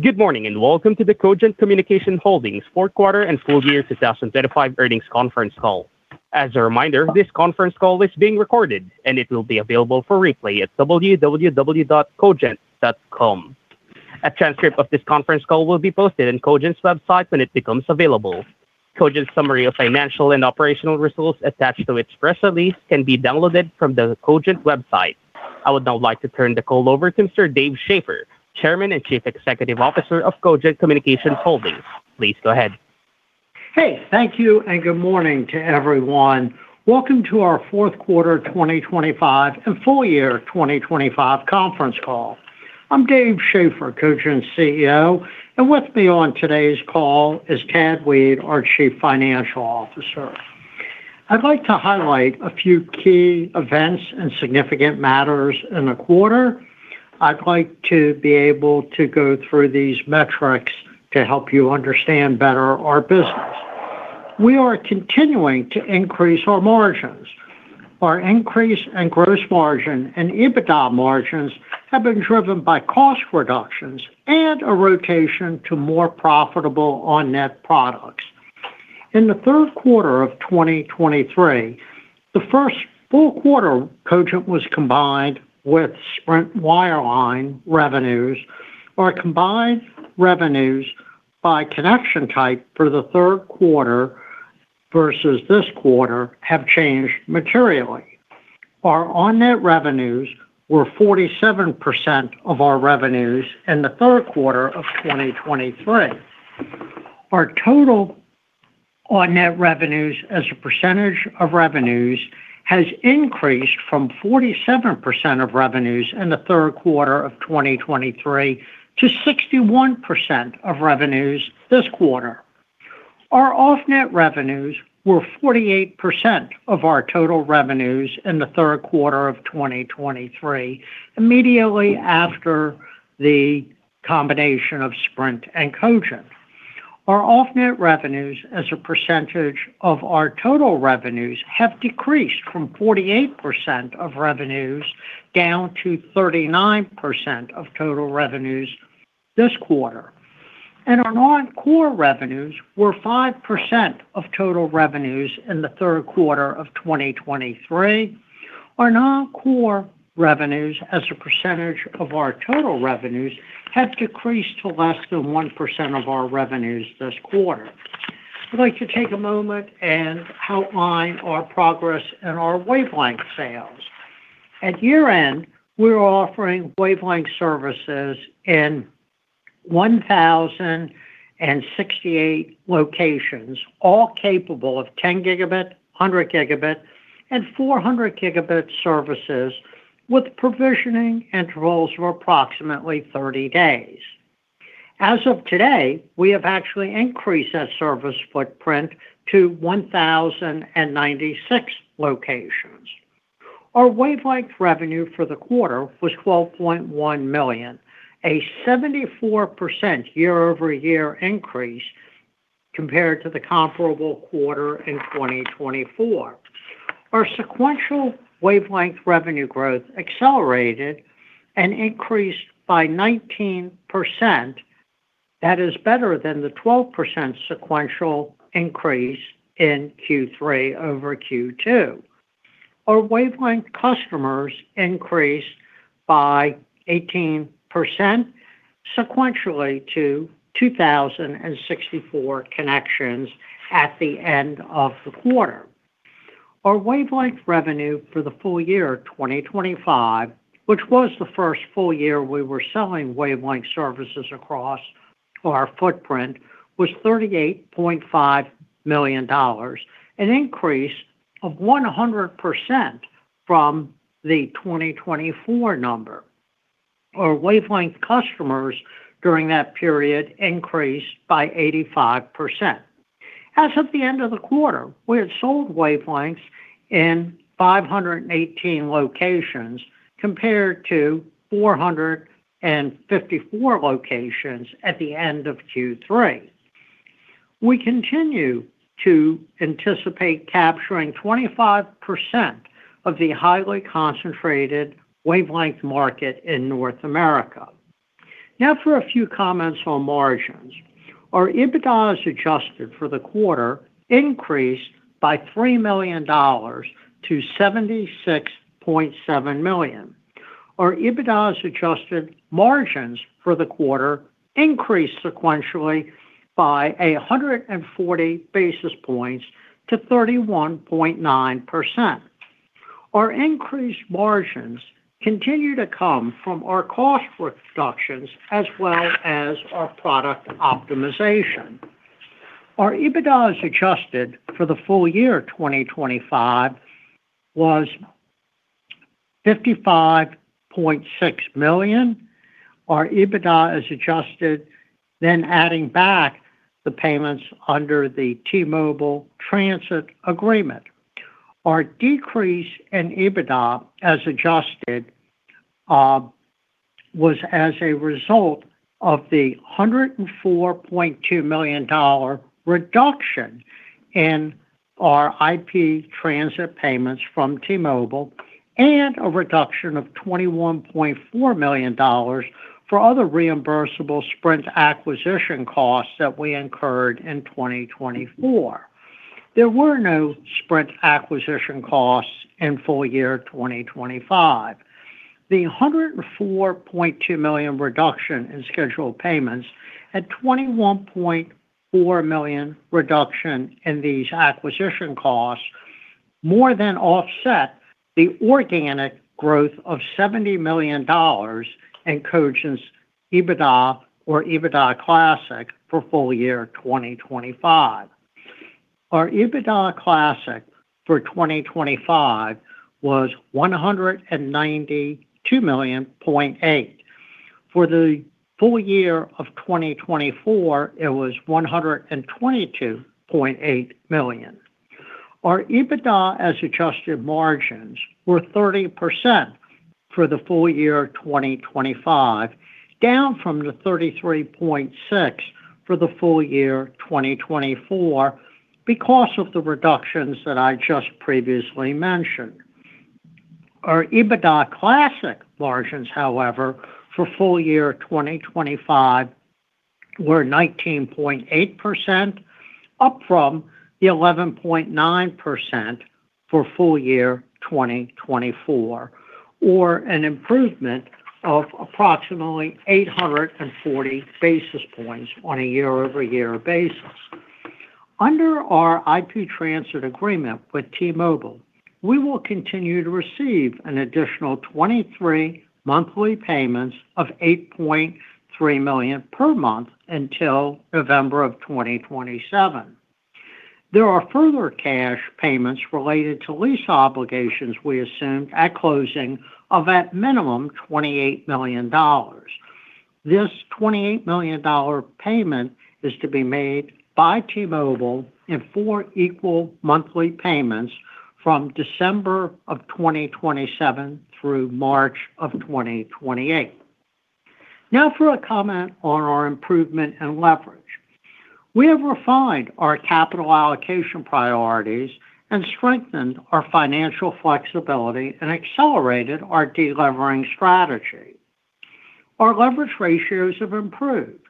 Good morning, and welcome to the Cogent Communications Holdings Fourth Quarter and Full Year 2025 earnings conference call. As a reminder, this conference call is being recorded, and it will be available for replay at www.cogent.com. A transcript of this conference call will be posted on Cogent's website when it becomes available. Cogent's Summary of Financial and Operational Results attached to its press release can be downloaded from the Cogent website. I would now like to turn the call over to Sir Dave Schaeffer, Chairman and Chief Executive Officer of Cogent Communications Holdings. Please go ahead. Hey, thank you, and good morning to everyone. Welcome to our fourth quarter 2025 and full year 2025 conference call. I'm Dave Schaeffer, Cogent's CEO, and with me on today's call is Tad Weed, our Chief Financial Officer. I'd like to highlight a few key events and significant matters in the quarter. I'd like to be able to go through these metrics to help you understand better our business. We are continuing to increase our margins. Our increase in gross margin and EBITDA margins have been driven by cost reductions and a rotation to more profitable On-Net products. In the third quarter of 2023, the first full quarter Cogent was combined with Sprint Wireline revenues. Our combined revenues by connection type for the third quarter versus this quarter have changed materially. Our On-Net revenues were 47% of our revenues in the third quarter of 2023. Our total On-Net revenues as a percentage of revenues has increased from 47% of revenues in the third quarter of 2023 to 61% of revenues this quarter. Our Off-Net revenues were 48% of our total revenues in the third quarter of 2023, immediately after the combination of Sprint and Cogent. Our Off-Net revenues as a percentage of our total revenues have decreased from 48% of revenues down to 39% of total revenues this quarter, and our non-core revenues were 5% of total revenues in the third quarter of 2023. Our non-core revenues as a percentage of our total revenues have decreased to less than 1% of our revenues this quarter. I'd like to take a moment and outline our progress in our Wavelength sales. At year-end, we were offering Wavelength services in 1,068 locations, all capable of 10 Gb, 100 Gb, and 400 Gb services, with provisioning intervals of approximately 30 days. As of today, we have actually increased that service footprint to 1,096 locations. Our Wavelength revenue for the quarter was $12.1 million, a 74% year-over-year increase compared to the comparable quarter in 2024. Our sequential Wavelength revenue growth accelerated and increased by 19%. That is better than the 12% sequential increase in Q3 over Q2. Our Wavelength customers increased by 18% sequentially to 2,064 connections at the end of the quarter. Our Wavelength revenue for the full year 2025, which was the first full year we were selling Wavelength services across our footprint, was $38.5 million, an increase of 100% from the 2024 number. Our Wavelength customers during that period increased by 85%. As of the end of the quarter, we had sold Wavelengths in 518 locations, compared to 454 locations at the end of Q3. We continue to anticipate capturing 25% of the highly concentrated Wavelength market in North America. Now, for a few comments on margins. Our EBITDA as adjusted for the quarter increased by $3 million-$76.7 million. Our EBITDA as adjusted margins for the quarter increased sequentially by 140 basis points to 31.9%. Our increased margins continue to come from our cost reductions as well as our product optimization. Our EBITDA as adjusted for the full year 2025 was $55.6 million. Our EBITDA as adjusted, then adding back the payments under the T-Mobile Transit Agreement. Our decrease in EBITDA as adjusted was as a result of the $104.2 million reduction in our IP transit payments from T-Mobile and a reduction of $21.4 million for other reimbursable Sprint acquisition costs that we incurred in 2024. There were no Sprint acquisition costs in full year 2025. The $104.2 million reduction in scheduled payments and $21.4 million reduction in these acquisition costs more than offset the organic growth of $70 million in Cogent's EBITDA or EBITDA Classic for full year 2025. Our EBITDA Classic for 2025 was $192.8 million. For the full year of 2024, it was $122.8 million. Our EBITDA as adjusted margins were 30% for the full year 2025, down from the 33.6% for the full year 2024, because of the reductions that I just previously mentioned. Our EBITDA Classic margins, however, for full year 2025 were 19.8%, up from the 11.9% for full year 2024, or an improvement of approximately 840 basis points on a year-over-year basis. Under our IP Transit Agreement with T-Mobile, we will continue to receive an additional 23 monthly payments of $8.3 million per month until November of 2027. There are further cash payments related to lease obligations we assumed at closing of at minimum $28 million. This $28 million payment is to be made by T-Mobile in four equal monthly payments from December of 2027 through March of 2028. Now for a comment on our improvement and leverage. We have refined our capital allocation priorities and strengthened our financial flexibility and accelerated our delevering strategy. Our leverage ratios have improved.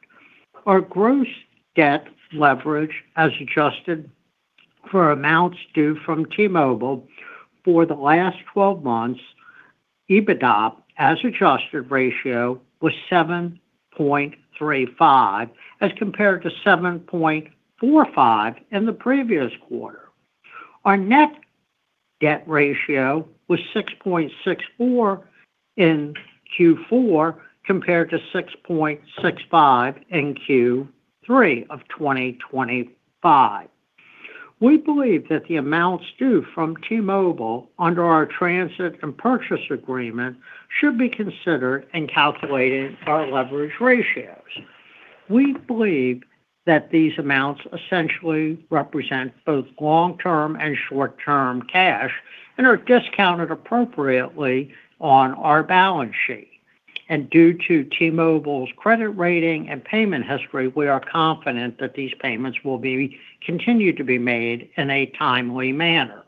Our gross debt leverage, as adjusted for amounts due from T-Mobile for the last twelve months, EBITDA as adjusted ratio was 7.35, as compared to 7.45 in the previous quarter. Our net debt ratio was 6.64 in Q4, compared to 6.65 in Q3 of 2025. We believe that the amounts due from T-Mobile under our transit and purchase agreement should be considered in calculating our leverage ratios. We believe that these amounts essentially represent both long-term and short-term cash and are discounted appropriately on our balance sheet. Due to T-Mobile's credit rating and payment history, we are confident that these payments will be continued to be made in a timely manner.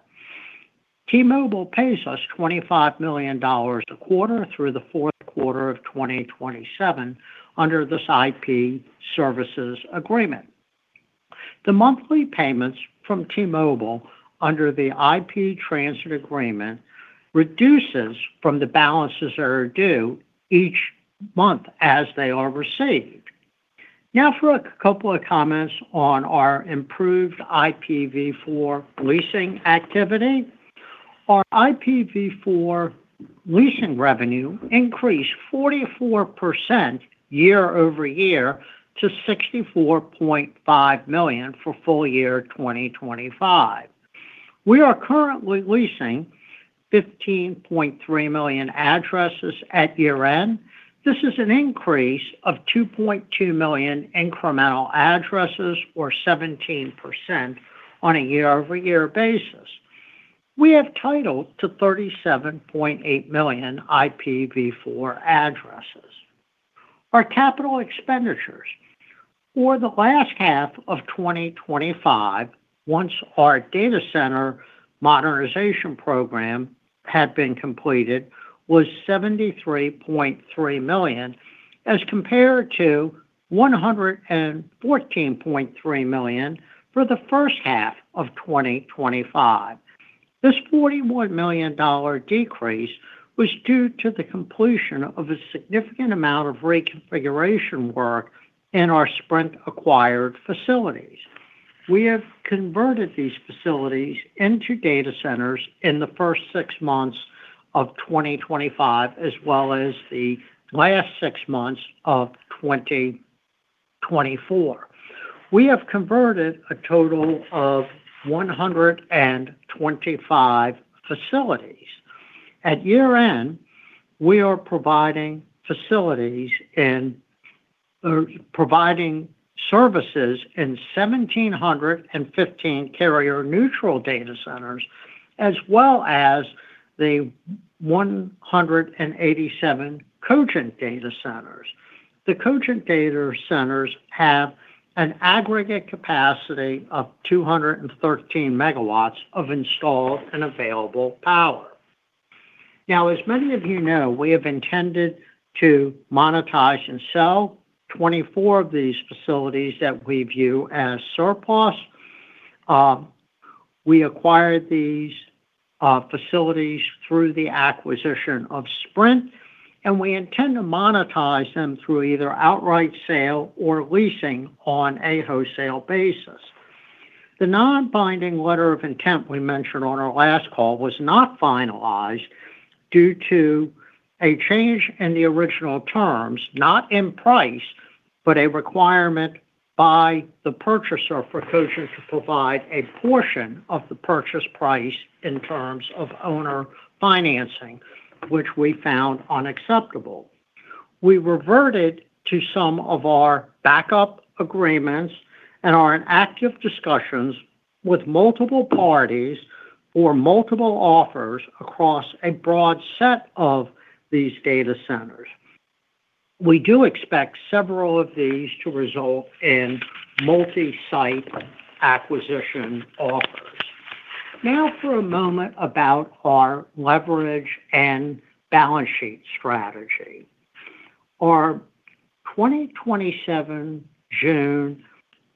T-Mobile pays us $25 million a quarter through the fourth quarter of 2027 under this IP Services Agreement. The monthly payments from T-Mobile under the IP Transit Agreement reduces from the balances that are due each month as they are received. Now for a couple of comments on our improved IPv4 leasing activity. Our IPv4 leasing revenue increased 44% year-over-year to $64.5 million for full year 2025. We are currently leasing 15.3 million addresses at year-end. This is an increase of 2.2 million incremental addresses, or 17% on a year-over-year basis. We have title to 37.8 million IPv4 addresses. Our capital expenditures for the last half of 2025, once our data center modernization program had been completed, was $73.3 million, as compared to $114.3 million for the first half of 2025. This $41 million decrease was due to the completion of a significant amount of reconfiguration work in our Sprint-acquired facilities. We have converted these facilities into data centers in the first six months of 2025, as well as the last six months of 2024. We have converted a total of 125 facilities. At year-end, we are providing services in 1,715 carrier-neutral data centers, as well as the 187 Cogent data centers. The Cogent data centers have an aggregate capacity of 213 MWs of installed and available power. Now, as many of you know, we have intended to monetize and sell 24 of these facilities that we view as surplus. We acquired these facilities through the acquisition of Sprint, and we intend to monetize them through either outright sale or leasing on a wholesale basis. The non-binding letter of intent we mentioned on our last call was not finalized due to a change in the original terms, not in price, but a requirement by the purchaser for Cogent to provide a portion of the purchase price in terms of owner financing, which we found unacceptable. We reverted to some of our backup agreements and are in active discussions with multiple parties or multiple offers across a broad set of these data centers. We do expect several of these to result in multi-site acquisition offers. Now, for a moment about our leverage and balance sheet strategy. Our 2027 June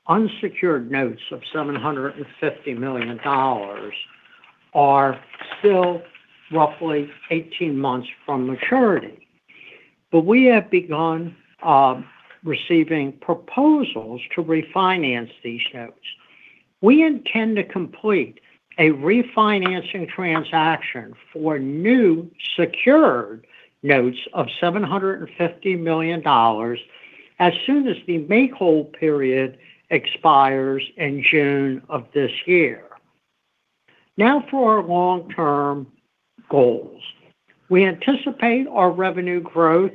unsecured notes of $750 million are still roughly 18 months from maturity. But we have begun receiving proposals to refinance these notes. We intend to complete a refinancing transaction for new secured notes of $750 million as soon as the make-whole period expires in June of this year. Now, for our long-term goals. We anticipate our revenue growth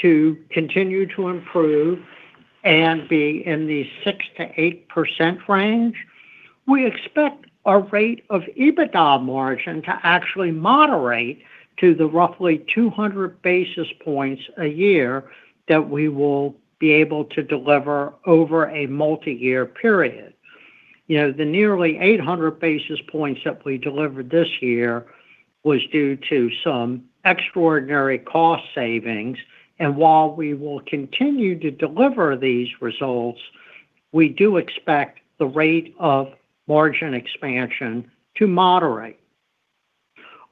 to continue to improve and be in the 6%-8% range. We expect our rate of EBITDA margin to actually moderate to the roughly 200 basis points a year that we will be able to deliver over a multi-year period. You know, the nearly 800 basis points that we delivered this year was due to some extraordinary cost savings, and while we will continue to deliver these results, we do expect the rate of margin expansion to moderate.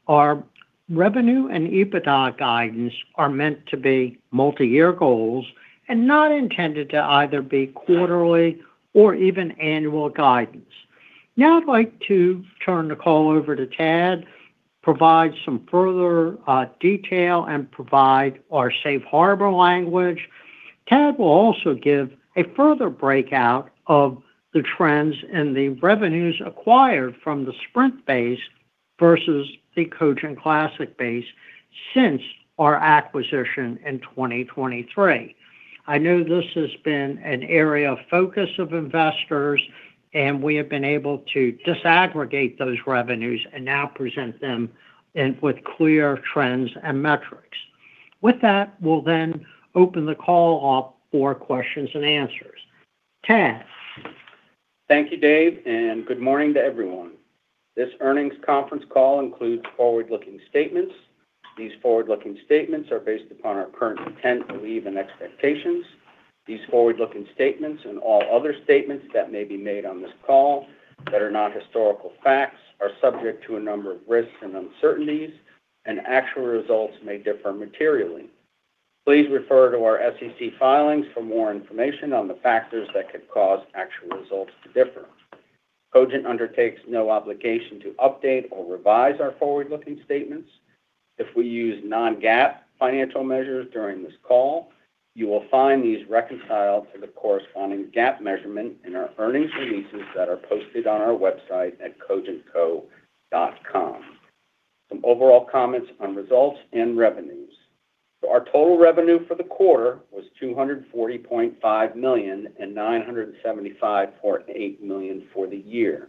Our revenue and EBITDA guidance are meant to be multi-year goals and not intended to either be quarterly or even annual guidance. Now, I'd like to turn the call over to Tad, provide some further detail, and provide our Safe Harbor language. Tad will also give a further breakout of the trends and the revenues acquired from the Sprint base versus the Cogent Classic base since our acquisition in 2023. I know this has been an area of focus of investors, and we have been able to disaggregate those revenues and now present them in with clear trends and metrics. With that, we'll then open the call up for questions and answers. Tad? Thank you, Dave, and good morning to everyone. This earnings conference call includes forward-looking statements. These forward-looking statements are based upon our current intent, belief, and expectations. These forward-looking statements and all other statements that may be made on this call that are not historical facts, are subject to a number of risks and uncertainties, and actual results may differ materially. Please refer to our SEC filings for more information on the factors that could cause actual results to differ. Cogent undertakes no obligation to update or revise our forward-looking statements. If we use non-GAAP financial measures during this call, you will find these reconciled to the corresponding GAAP measurement in our earnings releases that are posted on our website at cogentco.com. Some overall comments on results and revenues. So our total revenue for the quarter was $240.5 million and $975.8 million for the year.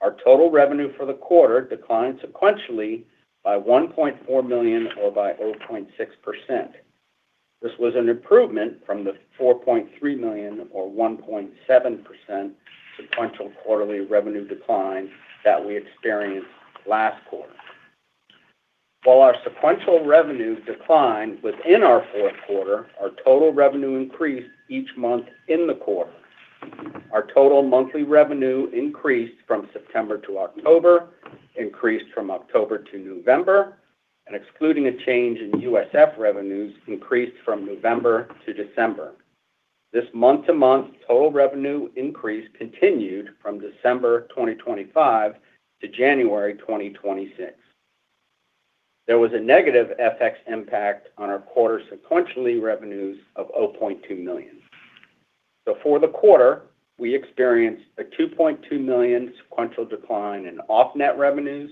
Our total revenue for the quarter declined sequentially by $1.4 million or by 0.6%. This was an improvement from the $4.3 million or 1.7% sequential quarterly revenue decline that we experienced last quarter. While our sequential revenue declined within our fourth quarter, our total revenue increased each month in the quarter. Our total monthly revenue increased from September to October, increased from October to November, and excluding a change in USF revenues, increased from November to December. This month-to-month total revenue increase continued from December 2025 to January 2026. There was a negative FX impact on our quarter sequentially, revenues of $0.2 million. So for the quarter, we experienced a $2.2 million sequential decline in Off-Net revenues.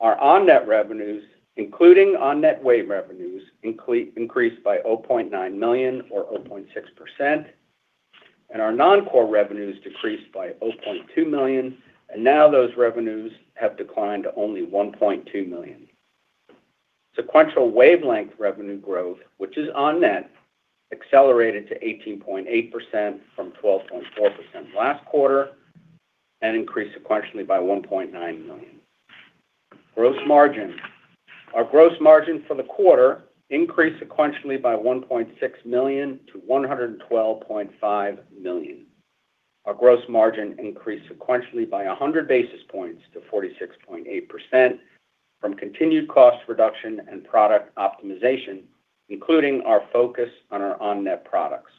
Our On-Net revenues, including On-Net Wave revenues, increased by $0.9 million or 0.6%. And our non-core revenues decreased by $0.2 million, and now those revenues have declined to only $1.2 million. Sequential Wavelength revenue growth, which is On-Net, accelerated to 18.8% from 12.4% last quarter, and increased sequentially by $1.9 million. Gross margin. Our gross margin for the quarter increased sequentially by $1.6 million-$112.5 million. Our gross margin increased sequentially by 100 basis points to 46.8% from continued cost reduction and product optimization, including our focus on our On-Net products.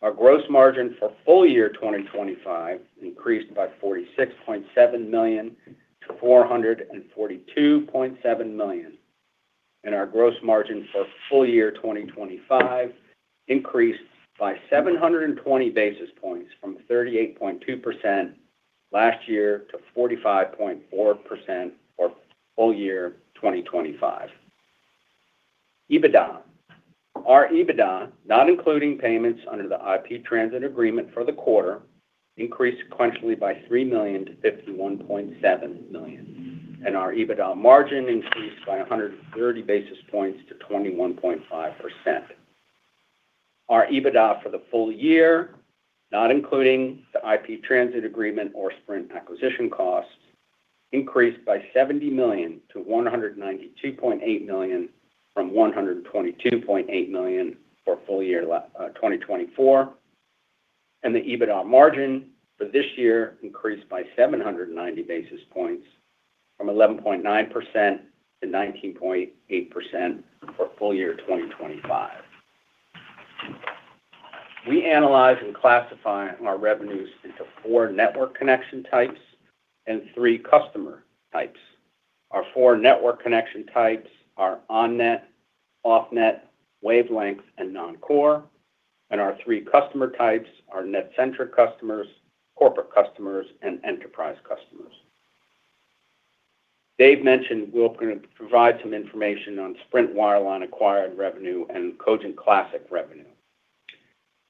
Our gross margin for full year 2025 increased by $46.7 million to $442.7 million, and our gross margin for full year 2025 increased by 720 basis points from 38.2% last year to 45.4% for full year 2025. EBITDA. Our EBITDA, not including payments under the IP Transit Agreement for the quarter, increased sequentially by $3 million to $51.7 million, and our EBITDA margin increased by 130 basis points to 21.5%. Our EBITDA for the full year, not including the IP Transit Agreement or Sprint acquisition costs, increased by $70 million-$192.8 million from $122.8 million for full year 2024. The EBITDA margin for this year increased by 790 basis points from 11.9%-19.8% for full year 2025. We analyze and classify our revenues into four network connection types and three customer types. Our four network connection types are On-Net, Off-Net, Wavelength, and Non-core. Our three customer types are NetCentric customers, Corporate customers, and Enterprise customers. Dave mentioned we're going to provide some information on Sprint Wireline acquired revenue and Cogent Classic revenue.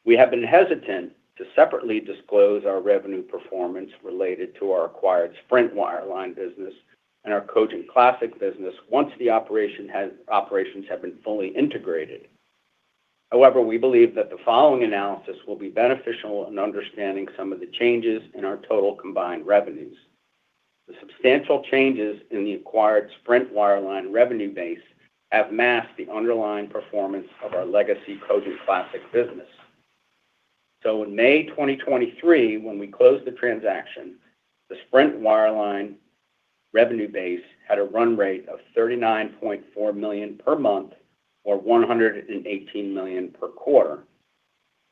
We have been hesitant to separately disclose our revenue performance related to our acquired Sprint Wireline business and our Cogent Classic business once the operations have been fully integrated. However, we believe that the following analysis will be beneficial in understanding some of the changes in our total combined revenues. The substantial changes in the acquired Sprint Wireline revenue base have masked the underlying performance of our legacy Cogent Classic business. So in May 2023, when we closed the transaction, the Sprint Wireline revenue base had a run rate of $39.4 million per month, or $118 million per quarter.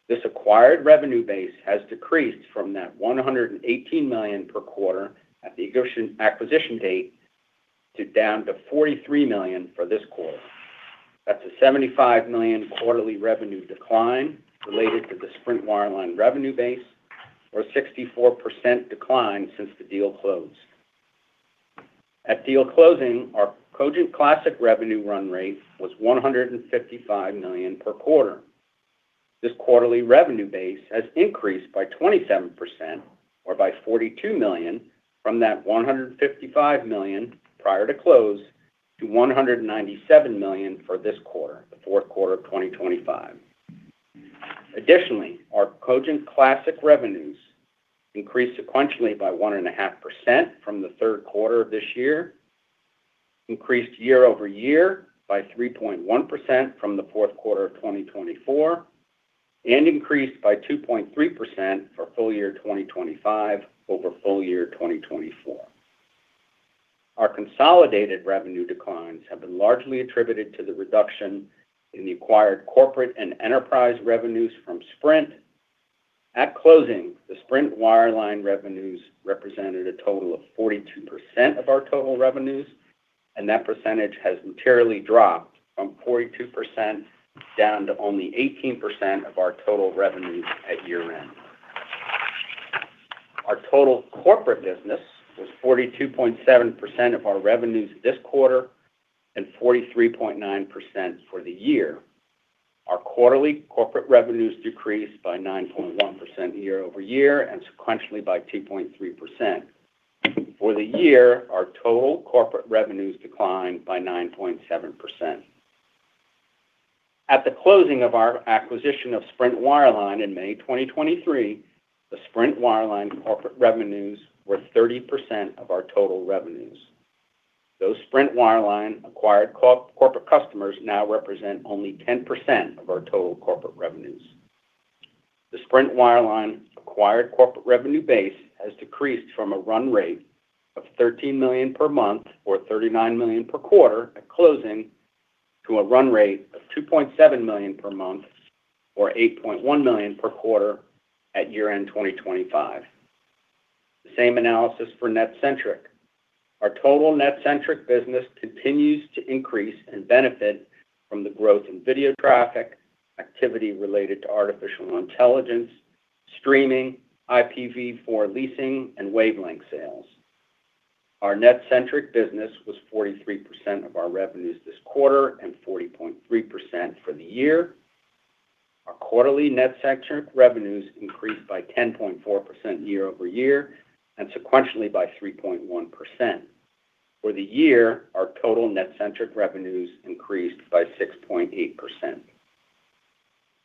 This acquired revenue base has decreased from that $118 million per quarter at the acquisition date, to down to $43 million for this quarter. That's a $75 million quarterly revenue decline related to the Sprint Wireline revenue base, or 64% decline since the deal closed. At deal closing, our Cogent Classic revenue run rate was $155 million per quarter. This quarterly revenue base has increased by 27%, or by $42 million, from that $155 million prior to close to $197 million for this quarter, the fourth quarter of 2025. Additionally, our Cogent Classic revenues increased sequentially by 1.5% from the third quarter of this year, increased year over year by 3.1% from the fourth quarter of 2024, and increased by 2.3% for full year 2025 over full year 2024. Our consolidated revenue declines have been largely attributed to the reduction in the acquired corporate and enterprise revenues from Sprint. At closing, the Sprint Wireline revenues represented a total of 42% of our total revenues, and that percentage has materially dropped from 42% down to only 18% of our total revenues at year-end. Our total corporate business was 42.7% of our revenues this quarter and 43.9% for the year. Our quarterly corporate revenues decreased by 9.1% year-over-year, and sequentially by 2.3%. For the year, our total corporate revenues declined by 9.7%. At the closing of our acquisition of Sprint Wireline in May 2023, the Sprint Wireline corporate revenues were 30% of our total revenues. Those Sprint Wireline acquired corporate customers now represent only 10% of our total corporate revenues. The Sprint Wireline acquired corporate revenue base has decreased from a run rate of $13 million per month or $39 million per quarter at closing, to a run rate of $2.7 million per month or $8.1 million per quarter at year-end 2025. The same analysis for NetCentric. Our total NetCentric business continues to increase and benefit from the growth in video traffic, activity related to artificial intelligence, streaming, IPv4 leasing, and Wavelength sales. Our NetCentric business was 43% of our revenues this quarter and 40.3% for the year. Our quarterly NetCentric revenues increased by 10.4% year-over-year, and sequentially by 3.1%. For the year, our total NetCentric revenues increased by 6.8%.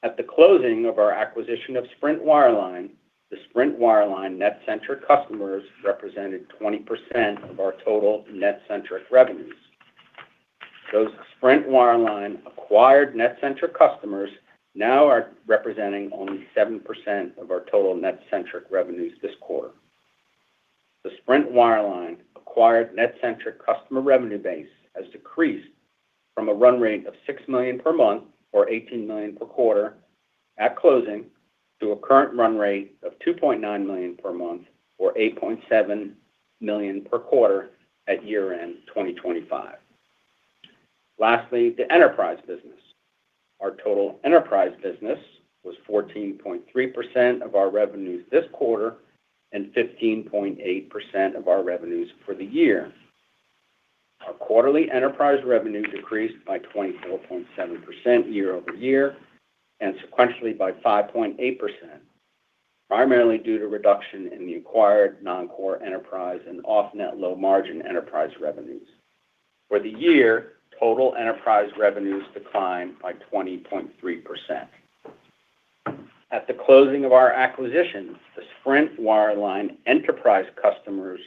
At the closing of our acquisition of Sprint Wireline, the Sprint Wireline NetCentric customers represented 20% of our total NetCentric revenues. Those Sprint Wireline acquired NetCentric customers now are representing only 7% of our total NetCentric revenues this quarter. The Sprint Wireline acquired NetCentric customer revenue base has decreased from a run rate of $6 million per month, or $18 million per quarter at closing, to a current run rate of $2.9 million per month or $8.7 million per quarter at year-end 2025. Lastly, the enterprise business. Our total enterprise business was 14.3% of our revenues this quarter and 15.8% of our revenues for the year. Our quarterly enterprise revenues decreased by 24.7% year-over-year and sequentially by 5.8%, primarily due to reduction in the acquired non-core enterprise and Off-Net low margin enterprise revenues. For the year, total enterprise revenues declined by 20.3%. At the closing of our acquisition, the Sprint Wireline enterprise customers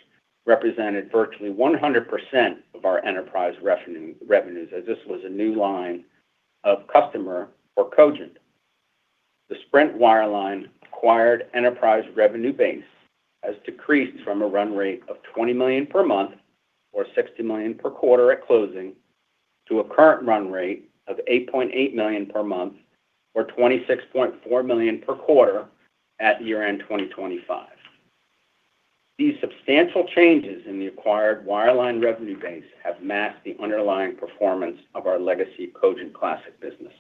represented virtually 100% of our enterprise revenue, revenues, as this was a new line of customer for Cogent. The Sprint Wireline acquired enterprise revenue base has decreased from a run rate of $20 million per month or $60 million per quarter at closing, to a current run rate of $8.8 million per month or $26.4 million per quarter at year-end 2025. These substantial changes in the acquired Wireline revenue base have masked the underlying performance of our legacy Cogent Classic business.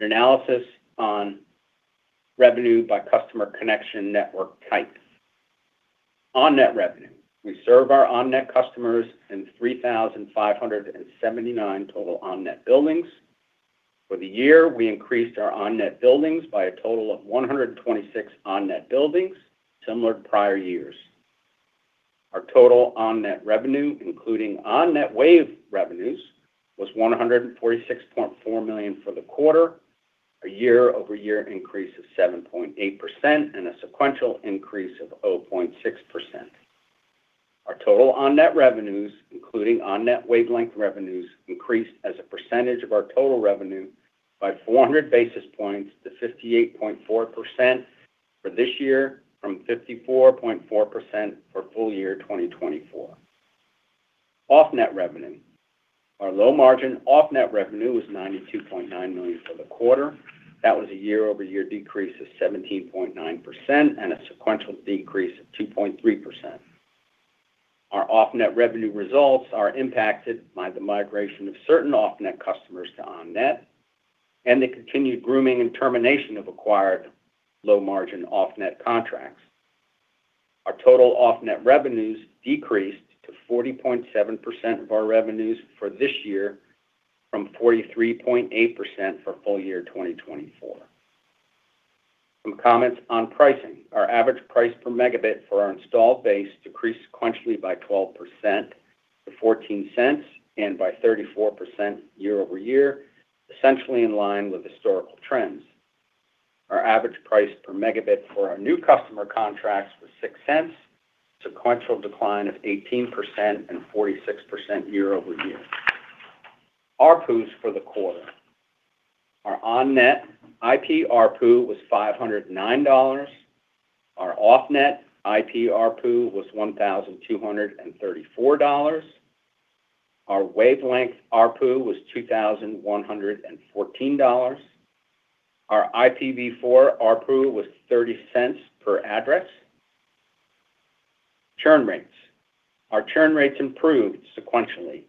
An analysis on revenue by customer connection network types. On-Net revenue. We serve our On-Net customers in 3,579 total On-Net buildings. For the year, we increased our On-Net buildings by a total of 126 On-Net buildings, similar to prior years. Our total On-Net revenue, including On-Net Wave revenues, was $146.4 million for the quarter, a year-over-year increase of 7.8%, and a sequential increase of 0.6%. Our total On-Net revenues, including On-Net Wavelength revenues, increased as a percentage of our total revenue by 400 basis points to 58.4% for this year, from 54.4% for full year 2024. Off-Net revenue. Our low-margin Off-Net revenue was $92.9 million for the quarter. That was a year-over-year decrease of 17.9% and a sequential decrease of 2.3%. Our Off-Net revenue results are impacted by the migration of certain Off-Net customers to On-Net, and the continued grooming and termination of acquired low-margin Off-Net contracts. Our total Off-Net revenues decreased to 40.7% of our revenues for this year from 43.8% for full year 2024. Some comments on pricing. Our average price per Mb for our installed base decreased sequentially by 12% to $0.14 and by 34% year-over-year, essentially in line with historical trends. Our average price per megabit for our new customer contracts was $0.06, sequential decline of 18% and 46% year-over-year. ARPUs for the quarter. Our On-Net IP ARPU was $509. Our Off-Net IP ARPU was $1,234. Our Wavelength ARPU was $2,114. Our IPv4 ARPU was $0.30 per address. Churn rates. Our churn rates improved sequentially.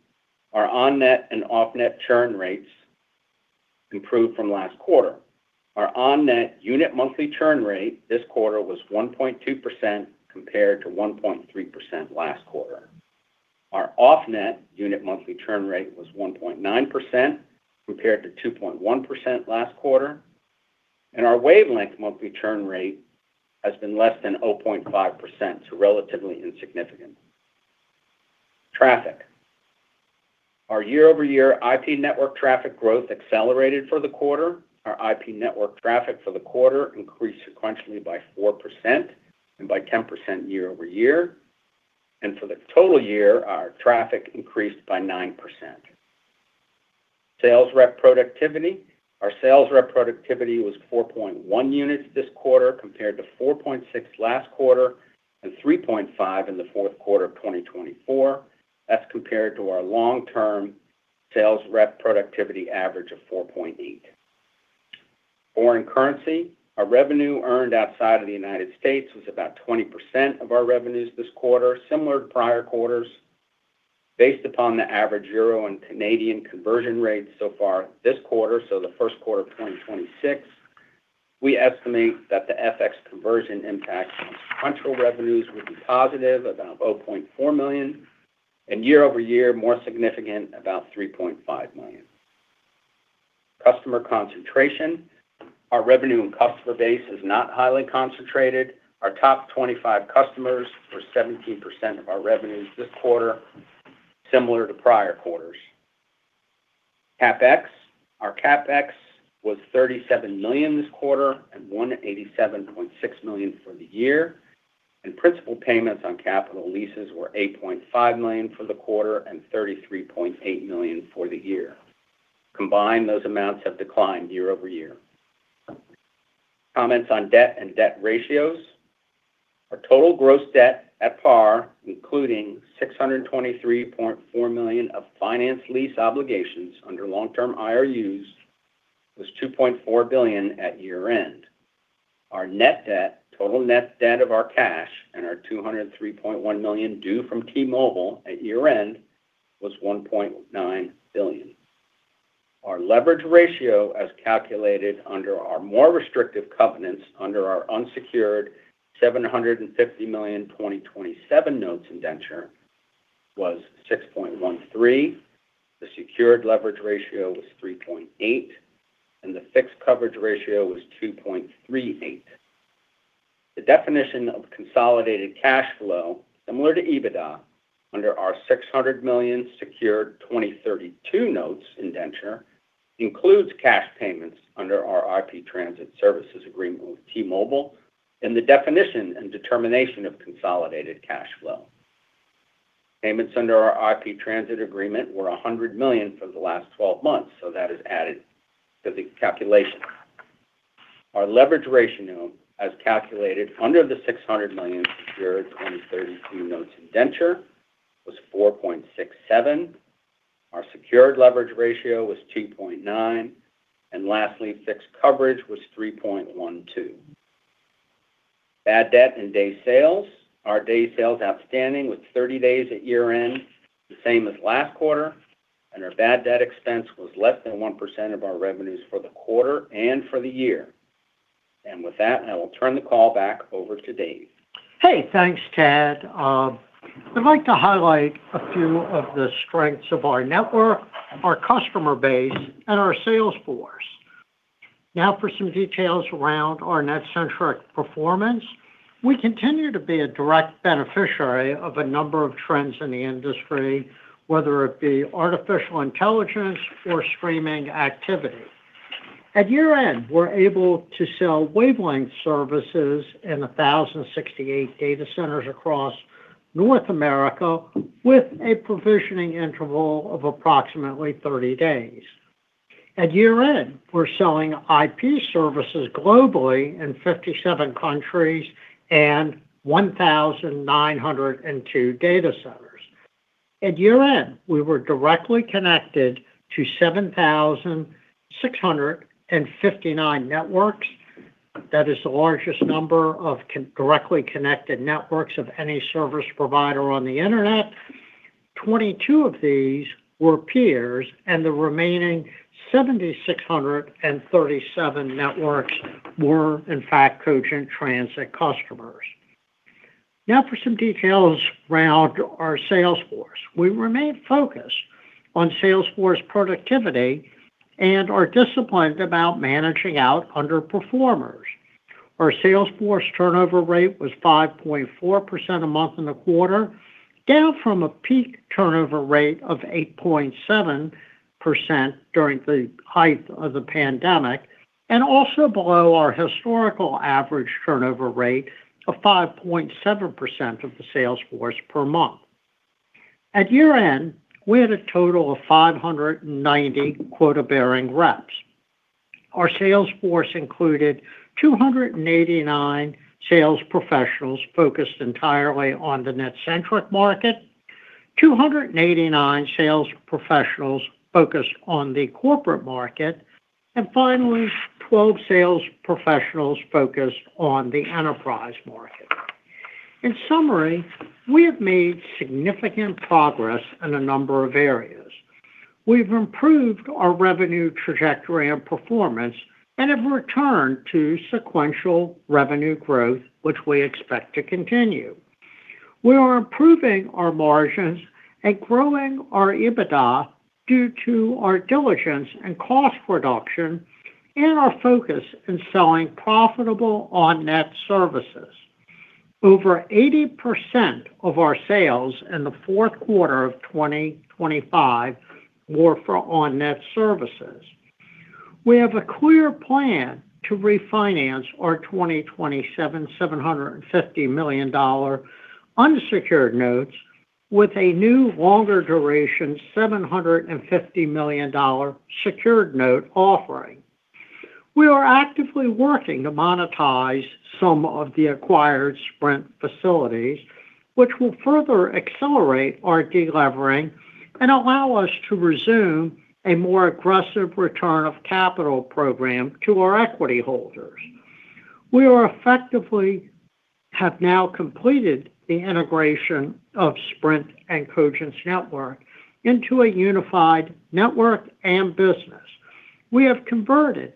Our On-Net and Off-Net churn rates improved from last quarter. Our On-Net unit monthly churn rate this quarter was 1.2%, compared to 1.3% last quarter. Our Off-Net unit monthly churn rate was 1.9%, compared to 2.1% last quarter. Our Wavelength monthly churn rate has been less than 0.5%, so relatively insignificant. Traffic. Our year-over-year IP network traffic growth accelerated for the quarter. Our IP network traffic for the quarter increased sequentially by 4% and by 10% year over year. For the total year, our traffic increased by 9%. Sales rep productivity. Our sales rep productivity was 4.1 units this quarter, compared to 4.6 last quarter, and 3.5 in the fourth quarter of 2024. That's compared to our long-term sales rep productivity average of 4.8. Foreign currency. Our revenue earned outside of the United States was about 20% of our revenues this quarter, similar to prior quarters. Based upon the average euro and Canadian conversion rates so far this quarter, so the first quarter of 2026, we estimate that the FX conversion impact on contractual revenues will be positive, about $0.4 million, and year over year, more significant, about $3.5 million. Customer concentration. Our revenue and customer base is not highly concentrated. Our top 25 customers were 17% of our revenues this quarter, similar to prior quarters. CapEx. Our Cap Ex was $37 million this quarter and $187.6 million for the year, and principal payments on capital leases were $8.5 million for the quarter and $33.8 million for the year. Combined, those amounts have declined year over year. Comments on debt and debt ratios. Our total gross debt at par, including $623.4 million of finance lease obligations under long-term IRUs, was $2.4 billion at year-end. Our net debt, total net debt of our cash and our $203.1 million due from T-Mobile at year end was $1.9 billion. Our leverage ratio, as calculated under our more restrictive covenants under our unsecured $750 million 2027 notes indenture, was 6.13. The secured leverage ratio was 3.8, and the fixed coverage ratio was 2.38. The definition of consolidated cash flow, similar to EBITDA, under our $600 million secured 2032 notes indenture, includes cash payments under our IP Transit Services Agreement with T-Mobile, and the definition and determination of consolidated cash flow. Payments under our IP Transit Agreement were $100 million for the last 12 months, so that is added to the calculation. Our leverage ratio, as calculated under the $600 million secured 2032 notes indenture, was 4.67. Our secured leverage ratio was 2.9, and lastly, fixed coverage was 3.12. Bad debt and days sales. Our days sales outstanding was 30 days at year-end, the same as last quarter, and our bad debt expense was less than 1% of our revenues for the quarter and for the year. And with that, I will turn the call back over to Dave. Hey, thanks, Tad. I'd like to highlight a few of the strengths of our network, our customer base, and our sales force. Now, for some details around our NetCentric performance. We continue to be a direct beneficiary of a number of trends in the industry, whether it be artificial intelligence or streaming activity. At year-end, we're able to sell Wavelength services in 1,068 data centers across North America, with a provisioning interval of approximately 30 days. At year-end, we're selling IP services globally in 57 countries and 1,902 data centers. At year-end, we were directly connected to 7,659 networks. That is the largest number of directly connected networks of any service provider on the Internet. 22 of these were peers, and the remaining 7,637 networks were, in fact, Cogent Transit customers. Now for some details around our sales force. We remain focused on sales force productivity and are disciplined about managing out underperformers. Our sales force turnover rate was 5.4% a month in the quarter, down from a peak turnover rate of 8.7% during the height of the pandemic, and also below our historical average turnover rate of 5.7% of the sales force per month. At year-end, we had a total of 590 quota-bearing reps. Our sales force included 289 sales professionals focused entirely on the NetCentric market, 289 sales professionals focused on the corporate market, and finally, 12 sales professionals focused on the enterprise market. In summary, we have made significant progress in a number of areas. We've improved our revenue trajectory and performance and have returned to sequential revenue growth, which we expect to continue. We are improving our margins and growing our EBITDA due to our diligence and cost reduction and our focus in selling profitable On-Net services. Over 80% of our sales in the fourth quarter of 2025 were for On-Net services. We have a clear plan to refinance our 2027 $750 million unsecured notes with a new, longer duration, $750 million secured note offering. We are actively working to monetize some of the acquired Sprint facilities, which will further accelerate our delevering and allow us to resume a more aggressive return of capital program to our equity holders. We are effectively have now completed the integration of Sprint and Cogent's network into a unified network and business. We have converted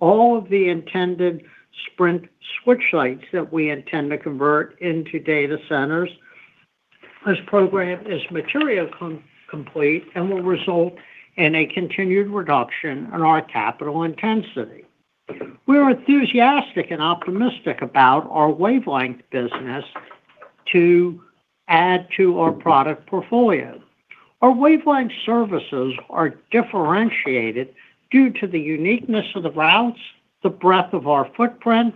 all of the intended Sprint switch sites that we intend to convert into data centers. This program is materially complete and will result in a continued reduction in our capital intensity. We are enthusiastic and optimistic about our Wavelength business to add to our product portfolio. Our Wavelength services are differentiated due to the uniqueness of the routes, the breadth of our footprint,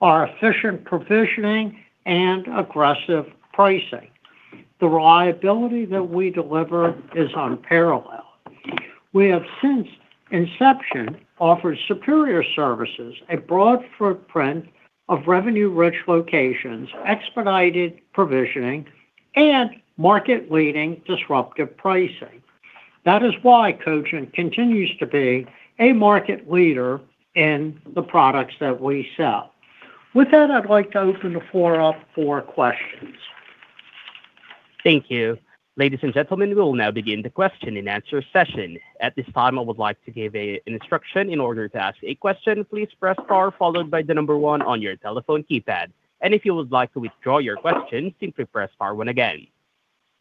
our efficient provisioning, and aggressive pricing. The reliability that we deliver is unparalleled. We have, since inception, offered superior services, a broad footprint of revenue-rich locations, expedited provisioning, and market-leading disruptive pricing. That is why Cogent continues to be a market leader in the products that we sell. With that, I'd like to open the floor up for questions. Thank you. Ladies and gentlemen, we will now begin the question-and-answer session. At this time, I would like to give an instruction. In order to ask a question, please press star followed by the number one on your telephone keypad. If you would like to withdraw your question, simply press star one again.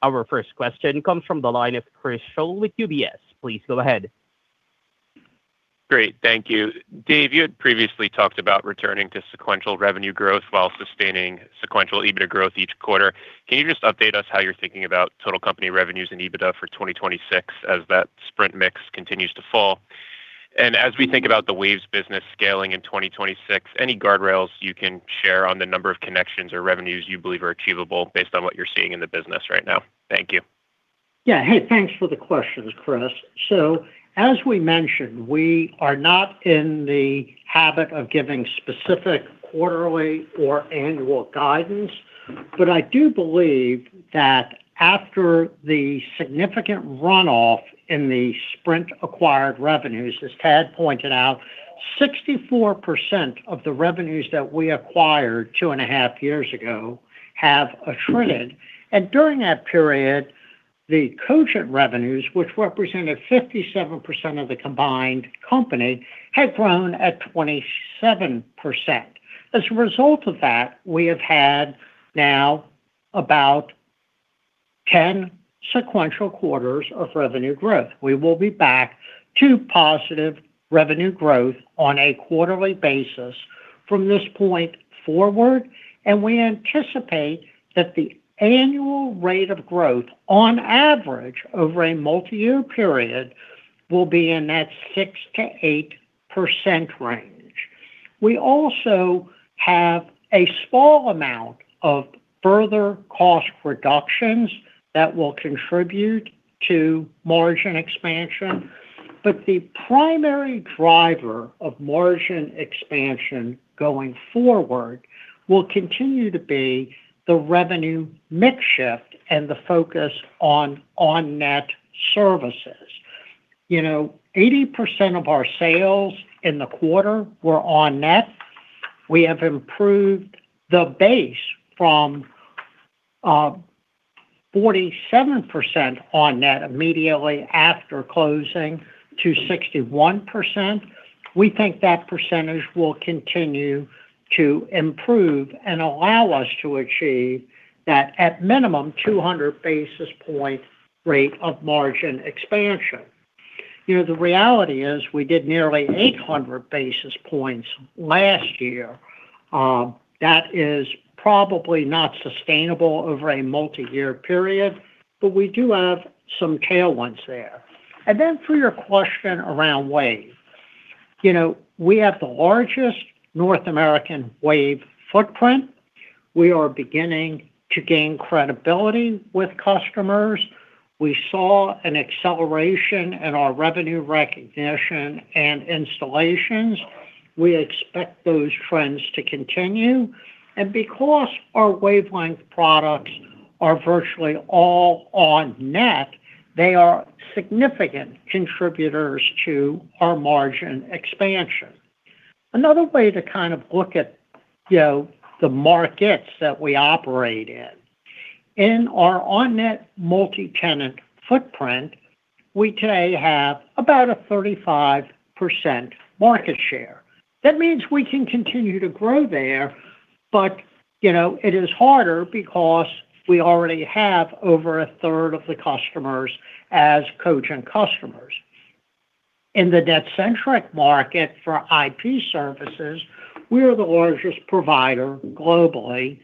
Our first question comes from the line of Chris Schoell with UBS. Please go ahead. Great. Thank you. Dave, you had previously talked about returning to sequential revenue growth while sustaining sequential EBITDA growth each quarter. Can you just update us how you're thinking about total company revenues and EBITDA for 2026 as that Sprint mix continues to fall? And as we think about the Waves business scaling in 2026, any guardrails you can share on the number of connections or revenues you believe are achievable based on what you're seeing in the business right now? Thank you. Yeah. Hey, thanks for the questions, Chris. So as we mentioned, we are not in the habit of giving specific quarterly or annual guidance, but I do believe that after the significant runoff in the Sprint-acquired revenues, as Tad pointed out, 64% of the revenues that we acquired 2.5 years ago have attrited. And during that period, the Cogent revenues, which represented 57% of the combined company, have grown at 27%. As a result of that, we have had now about 10 sequential quarters of revenue growth. We will be back to positive revenue growth on a quarterly basis from this point forward, and we anticipate that the annual rate of growth on average over a multi-year period will be in that 6%-8% range. We also have a small amount of further cost reductions that will contribute to margin expansion, but the primary driver of margin expansion going forward will continue to be the revenue mix shift and the focus on On-Net services. You know, 80% of our sales in the quarter were On-Net. We have improved the base from 47% On-Net immediately after closing to 61%. We think that percentage will continue to improve and allow us to achieve that at minimum, 200 basis points rate of margin expansion. You know, the reality is we did nearly 800 basis points last year. That is probably not sustainable over a multi-year period, but we do have some tailwinds there. And then for your question around Waves. You know, we have the largest North American Wave footprint. We are beginning to gain credibility with customers. We saw an acceleration in our revenue recognition and installations. We expect those trends to continue, and because our Wavelength products are virtually all On-Net, they are significant contributors to our margin expansion. Another way to kind of look at, you know, the markets that we operate in, in our On-Net multi-tenant footprint, we today have about a 35% market share. That means we can continue to grow there, but, you know, it is harder because we already have over a third of the customers as Cogent customers. In the NetCentric market for IP services, we are the largest provider globally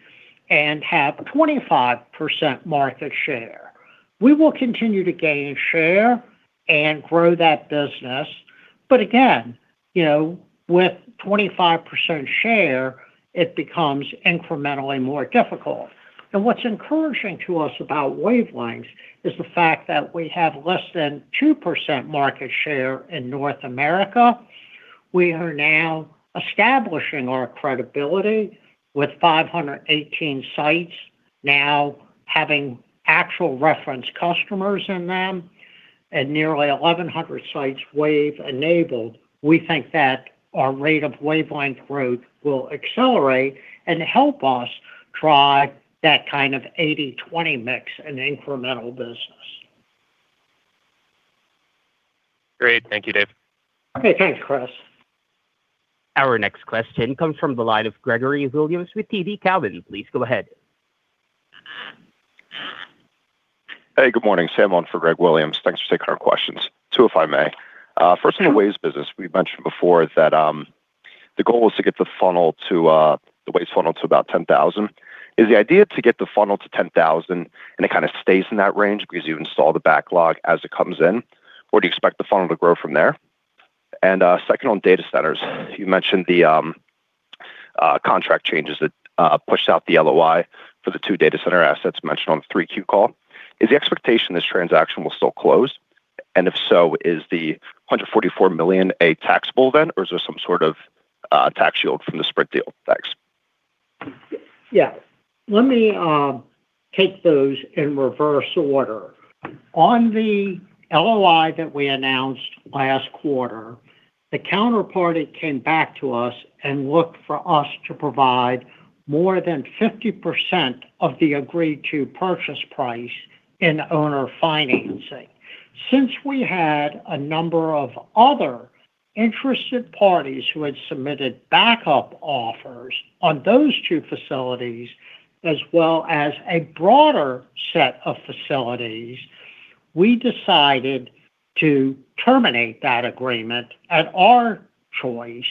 and have 25% market share. We will continue to gain share and grow that business, but again, you know, with 25% share, it becomes incrementally more difficult. What's encouraging to us about Wavelength is the fact that we have less than 2% market share in North America. We are now establishing our credibility with 518 sites now having actual reference customers in them, and nearly 1,100 sites Wave enabled. We think that our rate of Wavelength growth will accelerate and help us drive that kind of 80/20 mix in incremental business. Great. Thank you, Dave. Okay, thanks, Chris. Our next question comes from the line of Gregory Williams with TD Cowen. Please go ahead. Hey, good morning, Sam, on for Greg Williams. Thanks for taking our questions. Two, if I may. First on the Waves business. We've mentioned before that, the goal is to get the funnel to, the Waves funnel to about 10,000. Is the idea to get the funnel to 10,000 and it kind of stays in that range because you install the backlog as it comes in, or do you expect the funnel to grow from there? And, second, on data centers, you mentioned the, contract changes that, pushed out the LOI for the two data center assets mentioned on the 3Q call. Is the expectation this transaction will still close? And if so, is the $144 million a taxable event, or is there some sort of, tax shield from the Sprint deal? Thanks. Yeah. Let me take those in reverse order. On the LOI that we announced last quarter, the counterparty came back to us and looked for us to provide more than 50% of the agreed to purchase price in owner financing. Since we had a number of other interested parties who had submitted backup offers on those two facilities, as well as a broader set of facilities, we decided to terminate that agreement at our choice,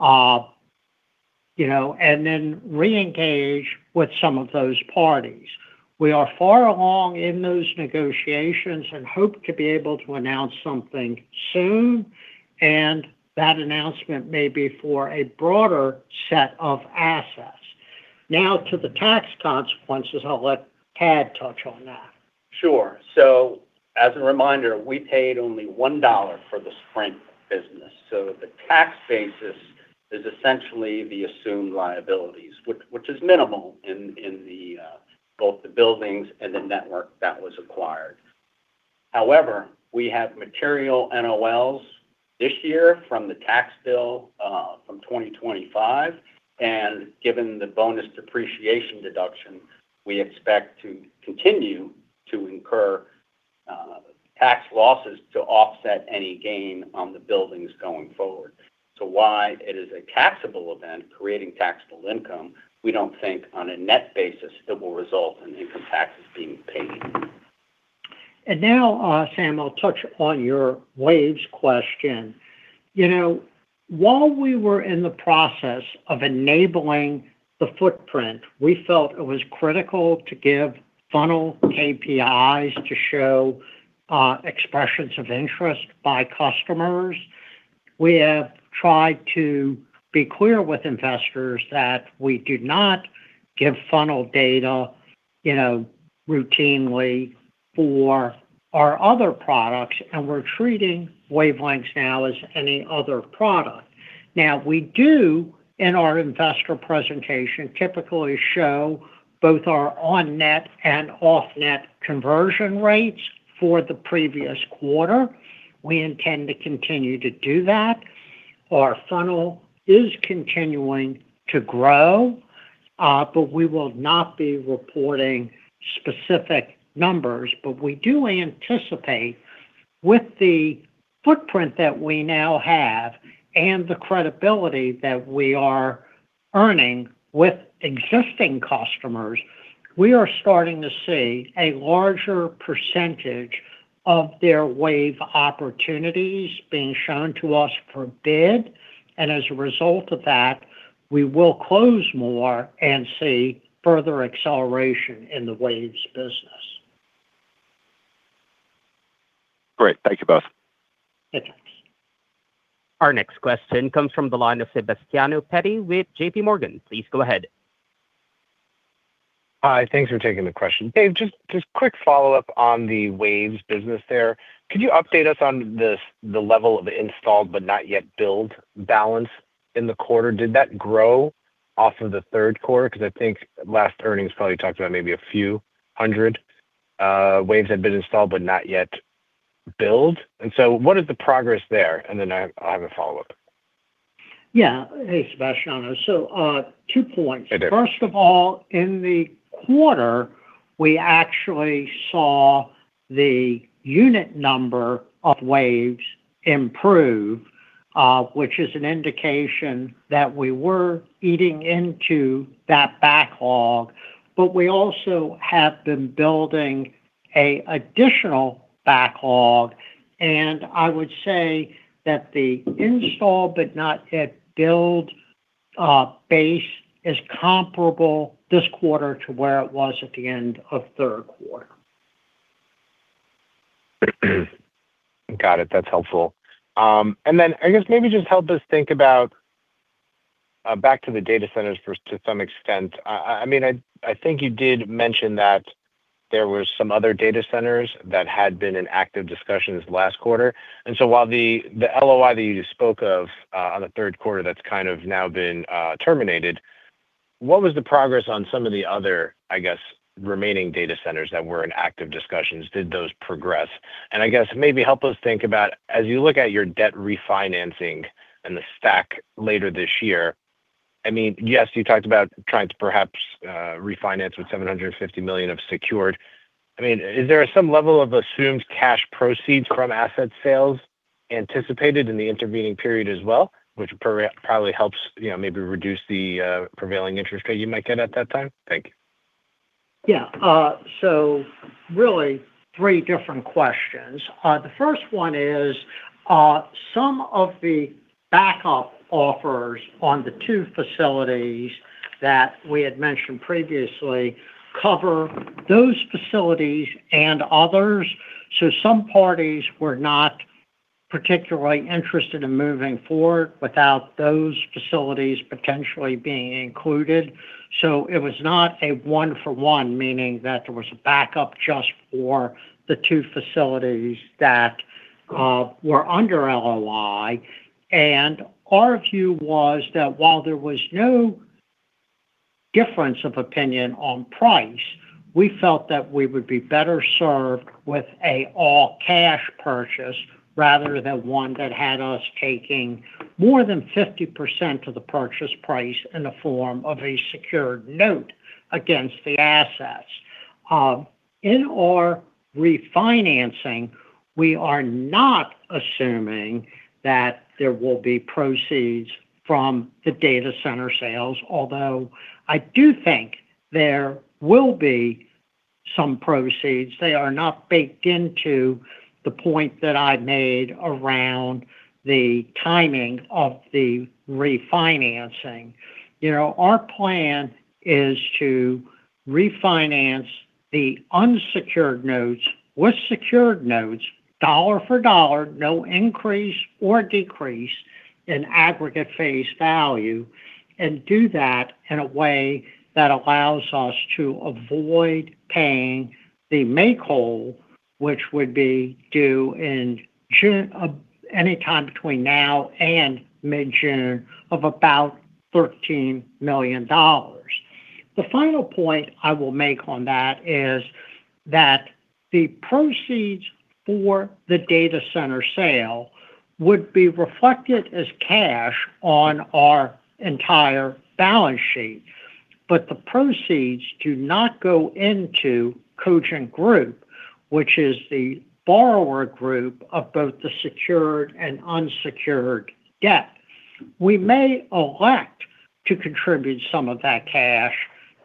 you know, and then reengage with some of those parties. We are far along in those negotiations and hope to be able to announce something soon, and that announcement may be for a broader set of assets. Now, to the tax consequences, I'll let Tad touch on that. Sure. So as a reminder, we paid only $1 for the Sprint business, so the tax basis is essentially the assumed liabilities, which is minimal in the both the buildings and the network that was acquired. However, we have material NOLs this year from the tax bill, from 2025, and given the bonus depreciation deduction, we expect to continue to incur tax losses to offset any gain on the buildings going forward. So while it is a taxable event creating taxable income, we don't think on a net basis it will result in income taxes being paid. And now, Sam, I'll touch on your Waves question. You know, while we were in the process of enabling the footprint, we felt it was critical to give funnel KPIs to show, expressions of interest by customers. We have tried to be clear with investors that we do not give funnel data, you know, routinely for our other products, and we're treating Wavelengths now as any other product. Now, we do, in our investor presentation, typically show both our On-Net and Off-Net conversion rates for the previous quarter. We intend to continue to do that. Our funnel is continuing to grow, but we will not be reporting specific numbers. We do anticipate with the footprint that we now have and the credibility that we are earning with existing customers, we are starting to see a larger percentage of their Wave opportunities being shown to us for bid. As a result of that, we will close more and see further acceleration in the Waves business. Great. Thank you both. Thanks. Our next question comes from the line of Sebastiano Petti with JPMorgan. Please go ahead. Hi, thanks for taking the question. Dave, just quick follow-up on the Waves business there. Could you update us on the level of installed but not yet billed balance in the quarter? Did that grow off of the third quarter? Because I think last earnings probably talked about maybe a few hundred Waves had been installed, but not yet billed. And so what is the progress there? And then I have a follow-up. Yeah. Hey, Sebastiano. So, two points. Okay. First of all, in the quarter, we actually saw the unit number of Waves improve, which is an indication that we were eating into that backlog, but we also have been building an additional backlog, and I would say that the install but not yet build base is comparable this quarter to where it was at the end of third quarter. Got it. That's helpful. And then, I guess maybe just help us think about back to the data centers to some extent. I mean, I think you did mention that there was some other data centers that had been in active discussions last quarter. And so while the LOI that you just spoke of on the third quarter, that's kind of now been terminated. What was the progress on some of the other, I guess, remaining data centers that were in active discussions? Did those progress? And I guess maybe help us think about, as you look at your debt refinancing and the stack later this year, I mean, yes, you talked about trying to perhaps refinance with $750 million of secured. I mean, is there some level of assumed cash proceeds from asset sales anticipated in the intervening period as well, which probably, probably helps, you know, maybe reduce the prevailing interest rate you might get at that time? Thank you. Yeah. So really three different questions. The first one is, some of the backup offers on the two facilities that we had mentioned previously cover those facilities and others. So some parties were not particularly interested in moving forward without those facilities potentially being included. So it was not a one-for-one, meaning that there was a backup just for the two facilities that were under LOI. And our view was that while there was no difference of opinion on price, we felt that we would be better served with an all-cash purchase rather than one that had us taking more than 50% of the purchase price in the form of a secured note against the assets. In our refinancing, we are not assuming that there will be proceeds from the data center sales, although I do think there will be some proceeds. They are not baked into the point that I made around the timing of the refinancing. You know, our plan is to refinance the unsecured notes with secured notes, dollar for dollar, no increase or decrease in aggregate face value, and do that in a way that allows us to avoid paying the make whole, which would be due in June, anytime between now and mid-June, of about $13 million. The final point I will make on that is that the proceeds for the data center sale would be reflected as cash on our entire balance sheet, but the proceeds do not go into Cogent Group, which is the borrower group of both the secured and unsecured debt. We may elect to contribute some of that cash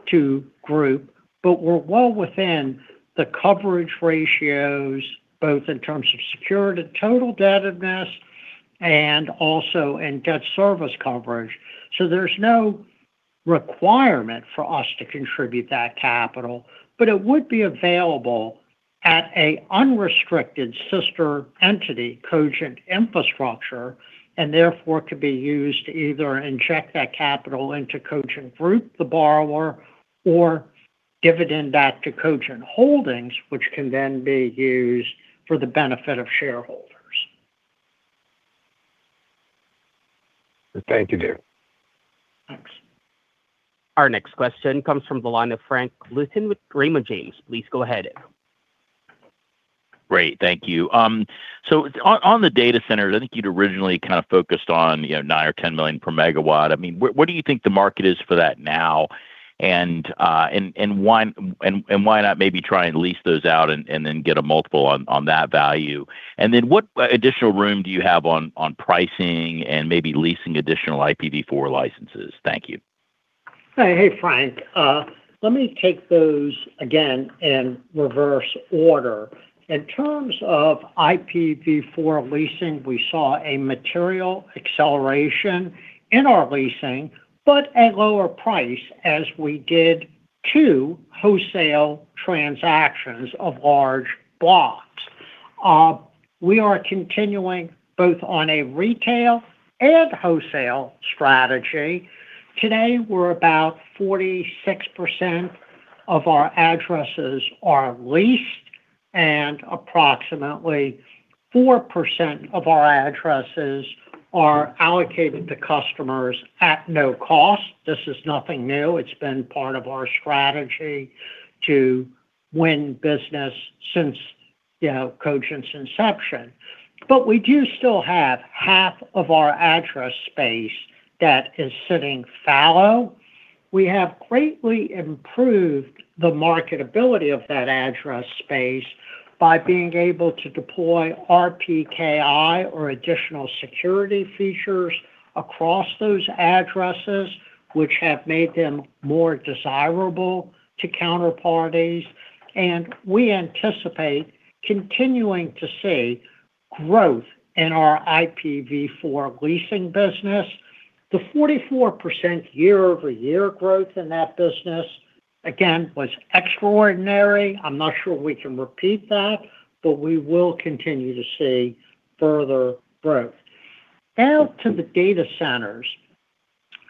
to Group, but we're well within the coverage ratios, both in terms of secured and total indebtedness and also in debt service coverage. So there's no requirement for us to contribute that capital, but it would be available at an unrestricted sister entity, Cogent Infrastructure, and therefore, could be used to either inject that capital into Cogent Group, the borrower, or dividend back to Cogent Holdings, which can then be used for the benefit of shareholders. Thank you, Dave. Thanks. Our next question comes from the line of Frank Louthan with Raymond James. Please go ahead. Great. Thank you. So on the data centers, I think you'd originally kind of focused on, you know, 9 or 10 million per MW. I mean, where do you think the market is for that now? And why not maybe try and lease those out and then get a multiple on that value? And then what additional room do you have on pricing and maybe leasing additional IPv4 licenses? Thank you. Hey, Frank. Let me take those again in reverse order. In terms of IPv4 leasing, we saw a material acceleration in our leasing, but at lower price as we did two wholesale transactions of large blocks. We are continuing both on a retail and wholesale strategy. Today, we're about 46% of our addresses are leased, and approximately 4% of our addresses are allocated to customers at no cost. This is nothing new. It's been part of our strategy to win business since, you know, Cogent's inception. But we do still have half of our address space that is sitting fallow. We have greatly improved the marketability of that address space by being able to deploy RPKI or additional security features across those addresses, which have made them more desirable to counterparties, and we anticipate continuing to see growth in our IPv4 leasing business. The 44% year-over-year growth in that business, again, was extraordinary. I'm not sure we can repeat that, but we will continue to see further growth. Now to the data centers.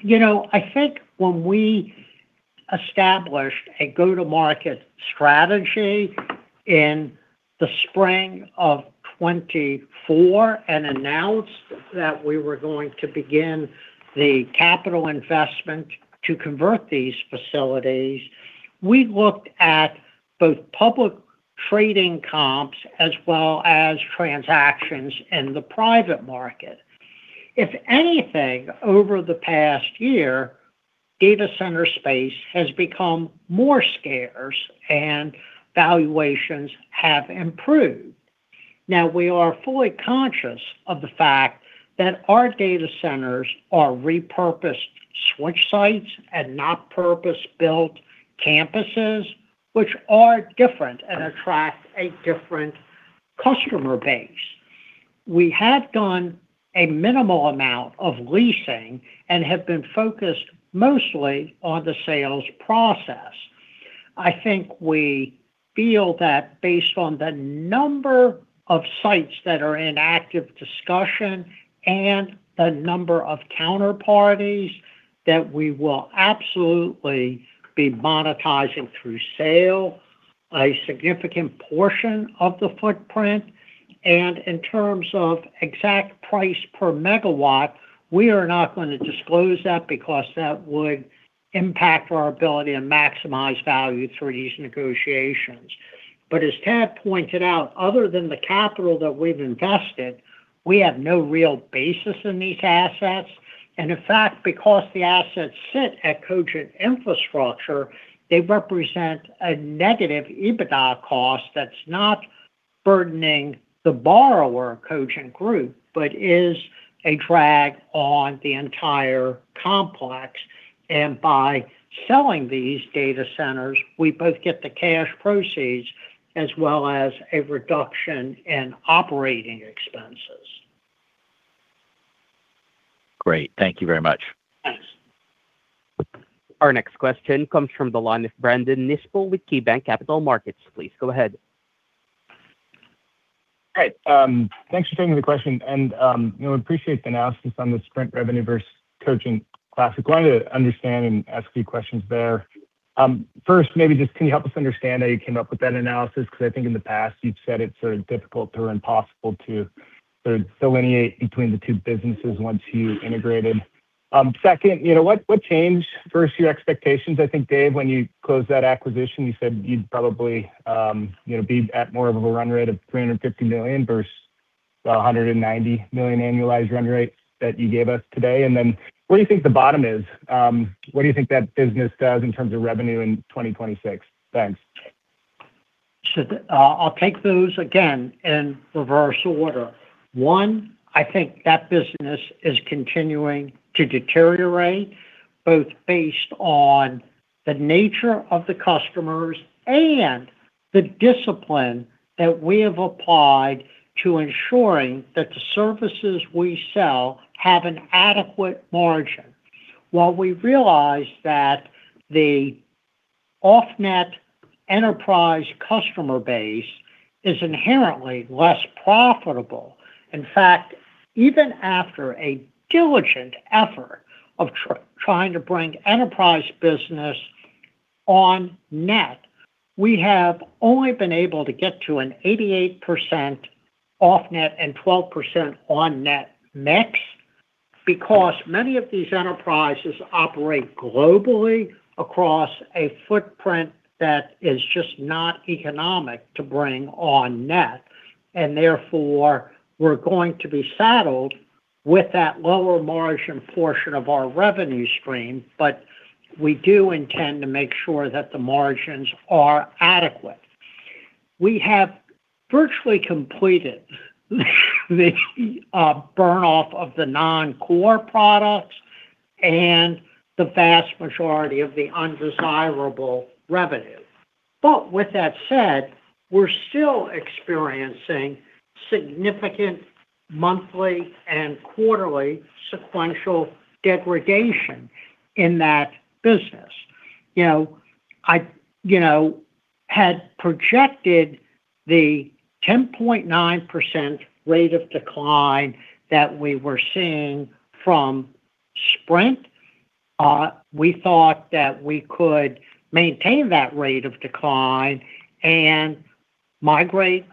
You know, I think when we established a go-to-market strategy in the spring of 2024 and announced that we were going to begin the capital investment to convert these facilities, we looked at both public trading comps as well as transactions in the private market. If anything, over the past year, data center space has become more scarce and valuations have improved. Now, we are fully conscious of the fact that our data centers are repurposed switch sites and not purpose-built campuses, which are different and attract a different customer base. We have done a minimal amount of leasing and have been focused mostly on the sales process. I think we feel that based on the number of sites that are in active discussion and the number of counterparties, that we will absolutely be monetizing through sale, a significant portion of the footprint. And in terms of exact price per MW, we are not going to disclose that because that would impact our ability to maximize value through these negotiations. But as Tad pointed out, other than the capital that we've invested, we have no real basis in these assets, and in fact, because the assets sit at Cogent infrastructure, they represent a negative EBITDA cost that's not burdening the borrower, Cogent Group, but is a drag on the entire complex, and by selling these data centers, we both get the cash proceeds as well as a reduction in operating expenses. Great. Thank you very much. Thanks. Our next question comes from the line of Brandon Nispel with KeyBanc Capital Markets. Please go ahead. Hey, thanks for taking the question. You know, appreciate the analysis on the Sprint revenue versus Cogent Classic. Wanted to understand and ask a few questions there. First, maybe just can you help us understand how you came up with that analysis? Because I think in the past, you've said it's sort of difficult or impossible to sort of delineate between the two businesses once you integrated. Second, you know, what changed versus your expectations? I think, Dave, when you closed that acquisition, you said you'd probably, you know, be at more of a run rate of $350 million versus the $190 million annualized run rate that you gave us today. And then, where do you think the bottom is? What do you think that business does in terms of revenue in 2026? Thanks. So, I'll take those again in reverse order. One, I think that business is continuing to deteriorate, both based on the nature of the customers and the discipline that we have applied to ensuring that the services we sell have an adequate margin. While we realize that the Off-Net enterprise customer base is inherently less profitable, in fact, even after a diligent effort of trying to bring enterprise business On-Net, we have only been able to get to an 88% Off-Net and 12% On-Net mix, because many of these enterprises operate globally across a footprint that is just not economic to bring On-Net. And therefore, we're going to be saddled with that lower margin portion of our revenue stream, but we do intend to make sure that the margins are adequate. We have virtually completed the burn-off of the non-core products and the vast majority of the undesirable revenue. But with that said, we're still experiencing significant monthly and quarterly sequential degradation in that business. You know, I had projected the 10.9% rate of decline that we were seeing from Sprint. We thought that we could maintain that rate of decline and migrate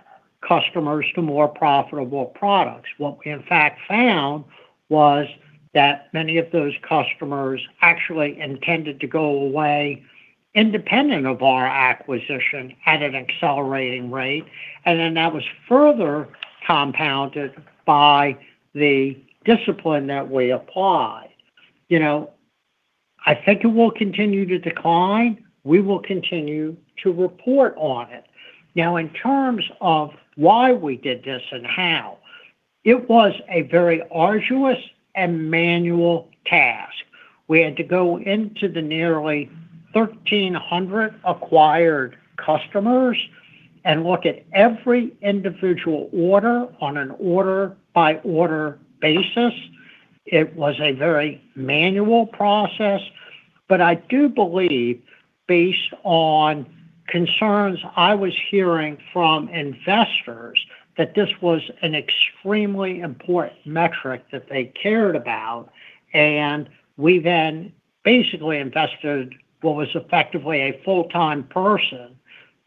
customers to more profitable products. What we, in fact, found was that many of those customers actually intended to go away independent of our acquisition at an accelerating rate, and then that was further compounded by the discipline that we applied. You know, I think it will continue to decline. We will continue to report on it. Now, in terms of why we did this and how, it was a very arduous and manual task. We had to go into the nearly 1,300 acquired customers and look at every individual order on an order-by-order basis. It was a very manual process, but I do believe, based on concerns I was hearing from investors that this was an extremely important metric that they cared about, and we then basically invested what was effectively a full-time person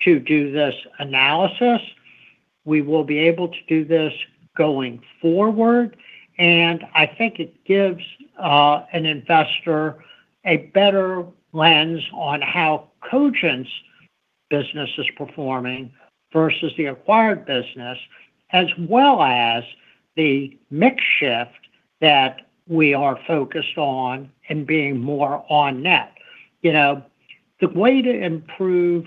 to do this analysis. We will be able to do this going forward, and I think it gives an investor a better lens on how Cogent's business is performing versus the acquired business, as well as the mix shift that we are focused on in being more On-Net. You know, the way to improve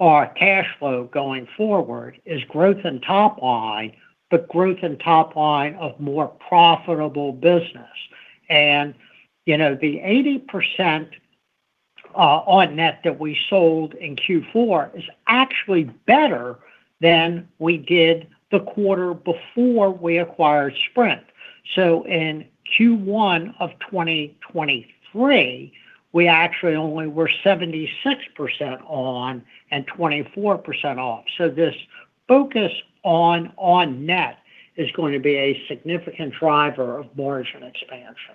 our cash flow going forward is growth in top line, but growth in top line of more profitable business. You know, the 80% On-Net that we sold in Q4 is actually better than we did the quarter before we acquired Sprint. So in Q1 of 2023, we actually only were 76% On-Net and 24% Off-Net. So this focus on On-Net is going to be a significant driver of margin expansion.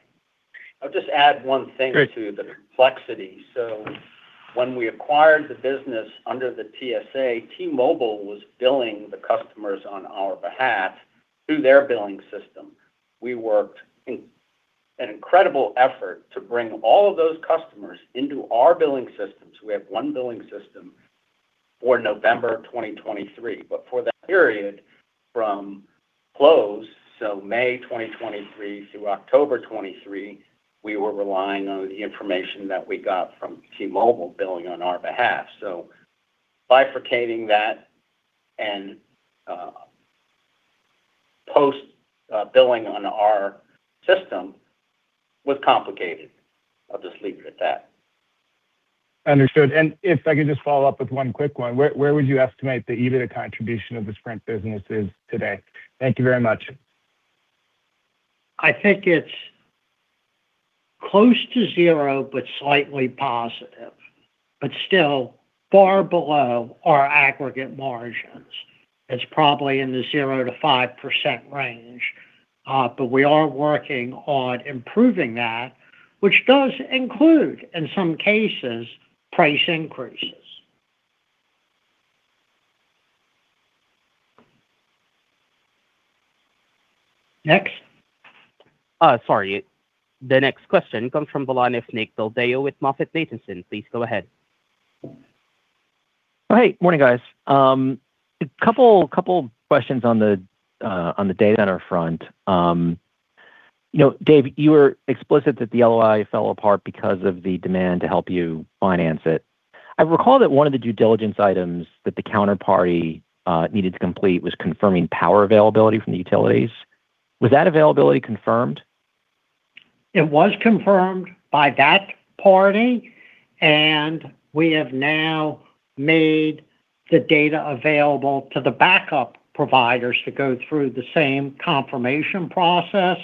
I'll just add one thing to the complexity. So when we acquired the business under the TSA, T-Mobile was billing the customers on our behalf through their billing system. We worked in an incredible effort to bring all of those customers into our billing systems. We have one billing system for November 2023, but for that period from close, so May 2023 through October 2023, we were relying on the information that we got from T-Mobile billing on our behalf. So bifurcating that and post billing on our system was complicated. I'll just leave it at that. Understood. If I could just follow up with one quick one. Where would you estimate the EBITDA contribution of the Sprint business is today? Thank you very much. I think it's close to zero, but slightly positive, but still far below our aggregate margins. It's probably in the 0%-5% range, but we are working on improving that, which does include, in some cases, price increases. Next? Sorry. The next question comes from the line of Nick Del Deo with MoffettNathanson. Please go ahead. Hey, morning, guys. A couple questions on the data center front. You know, Dave, you were explicit that the LOI fell apart because of the demand to help you finance it. I recall that one of the due diligence items that the counterparty needed to complete was confirming power availability from the utilities. Was that availability confirmed? It was confirmed by that party, and we have now made the data available to the backup providers to go through the same confirmation process.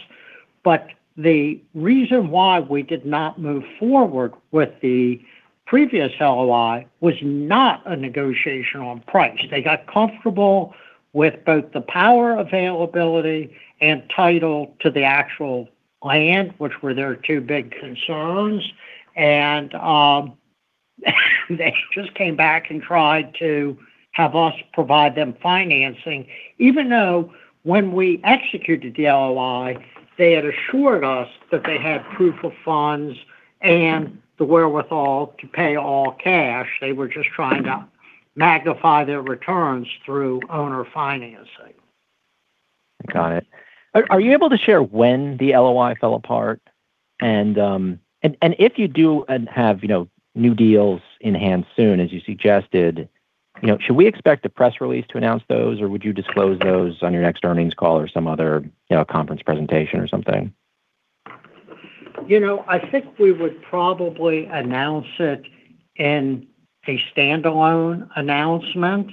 But the reason why we did not move forward with the previous LOI was not a negotiation on price. They got comfortable with both the power availability and title to the actual land, which were their two big concerns, and they just came back and tried to have us provide them financing, even though when we executed the LOI, they had assured us that they had proof of funds and the wherewithal to pay all cash. They were just trying to magnify their returns through owner financing. Got it. Are you able to share when the LOI fell apart? And if you do and have, you know, new deals in hand soon, as you suggested, you know, should we expect a press release to announce those, or would you disclose those on your next earnings call or some other, you know, conference presentation or something? You know, I think we would probably announce it in a standalone announcement.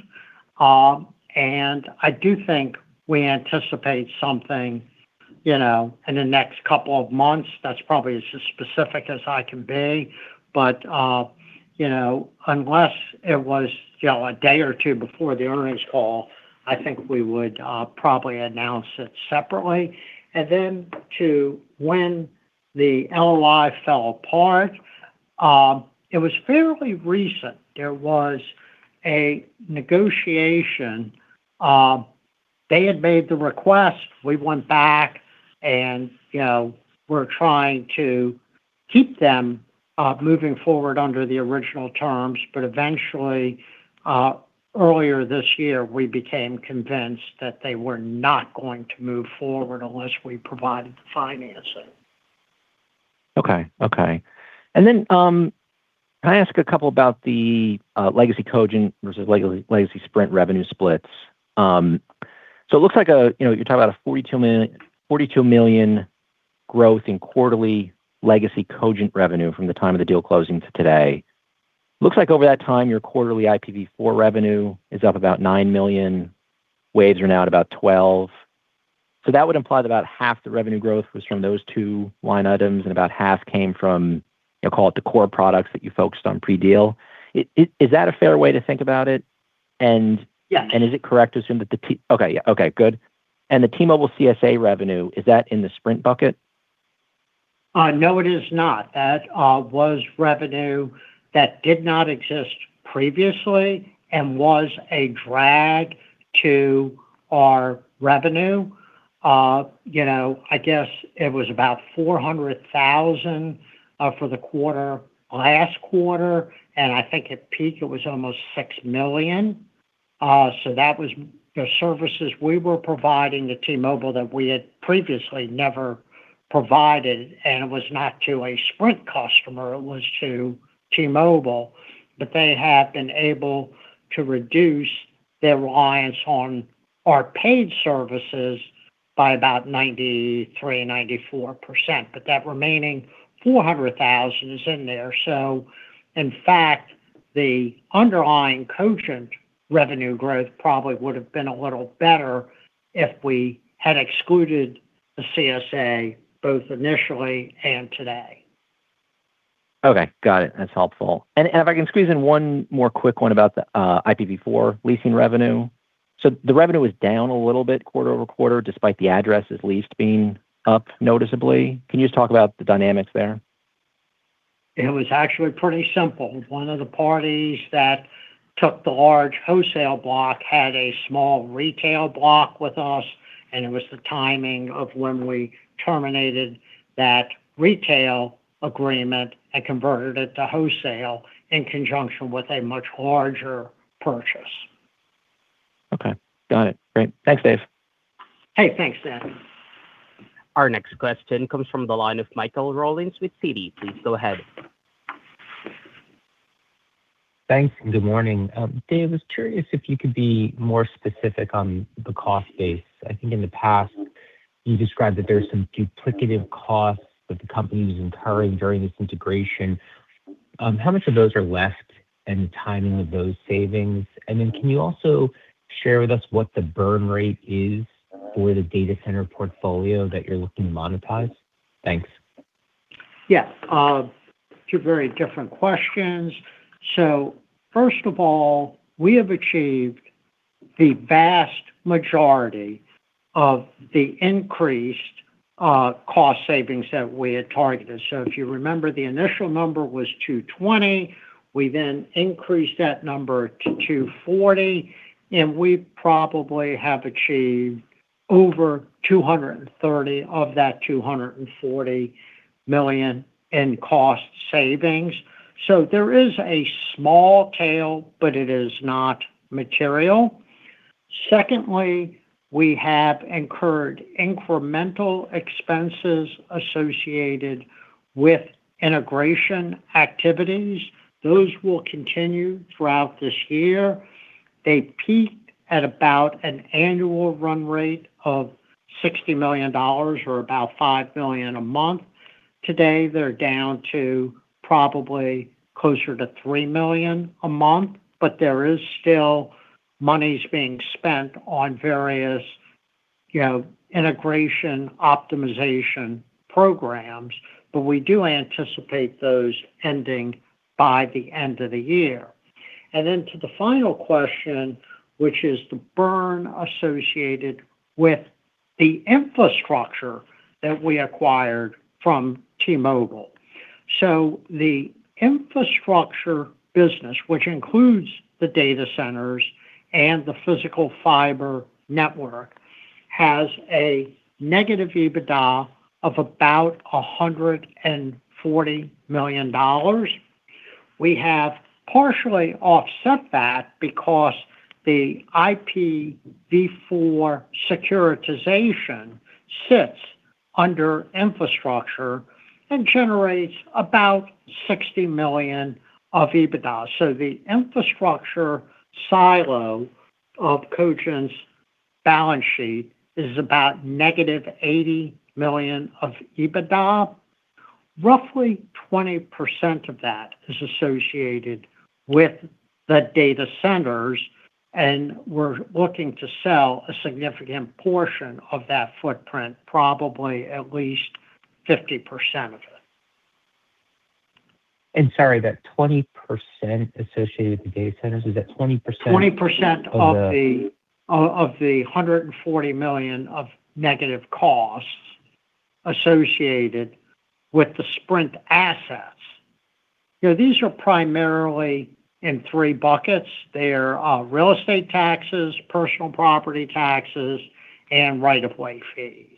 And I do think we anticipate something, you know, in the next couple of months. That's probably as specific as I can be, but, you know, unless it was, you know, a day or two before the earnings call, I think we would probably announce it separately. And then to when the LOI fell apart, it was fairly recent. There was a negotiation. They had made the request. We went back and, you know, we're trying to keep them moving forward under the original terms, but eventually, earlier this year, we became convinced that they were not going to move forward unless we provided the financing. Okay, okay. And then, can I ask a couple about the legacy Cogent versus legacy Sprint revenue splits? So it looks like, you know, you're talking about a $42 million, $42 million growth in quarterly legacy Cogent revenue from the time of the deal closing to today. Looks like over that time, your quarterly IPv4 revenue is up about $9 million, Waves are now at about $12 million. So that would imply that about half the revenue growth was from those two line items, and about half came from, you know, call it the core products that you focused on pre-deal. Is that a fair way to think about it? Yeah. Is it correct to assume that? Okay, yeah. Okay, good. And the T-Mobile CSA revenue, is that in the Sprint bucket? No, it is not. That was revenue that did not exist previously and was a drag to our revenue. You know, I guess it was about $400,000 for the quarter, last quarter, and I think at peak it was almost $6 million. So that was the services we were providing to T-Mobile that we had previously never provided, and it was not to a Sprint customer, it was to T-Mobile. But they have been able to reduce their reliance on our paid services by about 93%-94%, but that remaining $400,000 is in there. So in fact, the underlying Cogent revenue growth probably would have been a little better if we had excluded the CSA, both initially and today. Okay, got it. That's helpful. And if I can squeeze in one more quick one about the IPv4 leasing revenue. So the revenue is down a little bit quarter-over-quarter, despite the addresses leased being up noticeably. Can you just talk about the dynamics there? It was actually pretty simple. One of the parties that took the large wholesale block had a small retail block with us, and it was the timing of when we terminated that retail agreement and converted it to wholesale in conjunction with a much larger purchase. Okay. Got it. Great. Thanks, Dave. Hey, thanks, Del. Our next question comes from the line of Michael Rollins with Citi. Please go ahead. Thanks, and good morning. Dave, I was curious if you could be more specific on the cost base. I think in the past, you described that there are some duplicative costs that the company is incurring during this integration. How much of those are left and the timing of those savings? And then can you also share with us what the burn rate is for the data center portfolio that you're looking to monetize? Thanks. Yes, two very different questions. So first of all, we have achieved the vast majority of the increased cost savings that we had targeted. So if you remember, the initial number was 220. We then increased that number to 240, and we probably have achieved over 230 of that $240 million in cost savings. So there is a small tail, but it is not material. Secondly, we have incurred incremental expenses associated with integration activities. Those will continue throughout this year. They peaked at about an annual run rate of $60 million or about $5 million a month. Today, they're down to probably closer to $3 million a month, but there is still monies being spent on various, you know, integration optimization programs, but we do anticipate those ending by the end of the year. Then to the final question, which is the burn associated with the infrastructure that we acquired from T-Mobile. The infrastructure business, which includes the data centers and the physical Fiber Network, has a negative EBITDA of about $140 million. We have partially offset that because the IPv4 securitization sits under infrastructure and generates about $60 million of EBITDA. The infrastructure silo of Cogent's balance sheet is about -$80 million of EBITDA. Roughly 20% of that is associated with the data centers, and we're looking to sell a significant portion of that footprint, probably at least 50% of it. Sorry, that 20% associated with the data centers, is that 20%? 20% of the $140 million of negative costs associated with the Sprint assets. You know, these are primarily in three buckets. They're real estate taxes, personal property taxes, and right-of-way fees.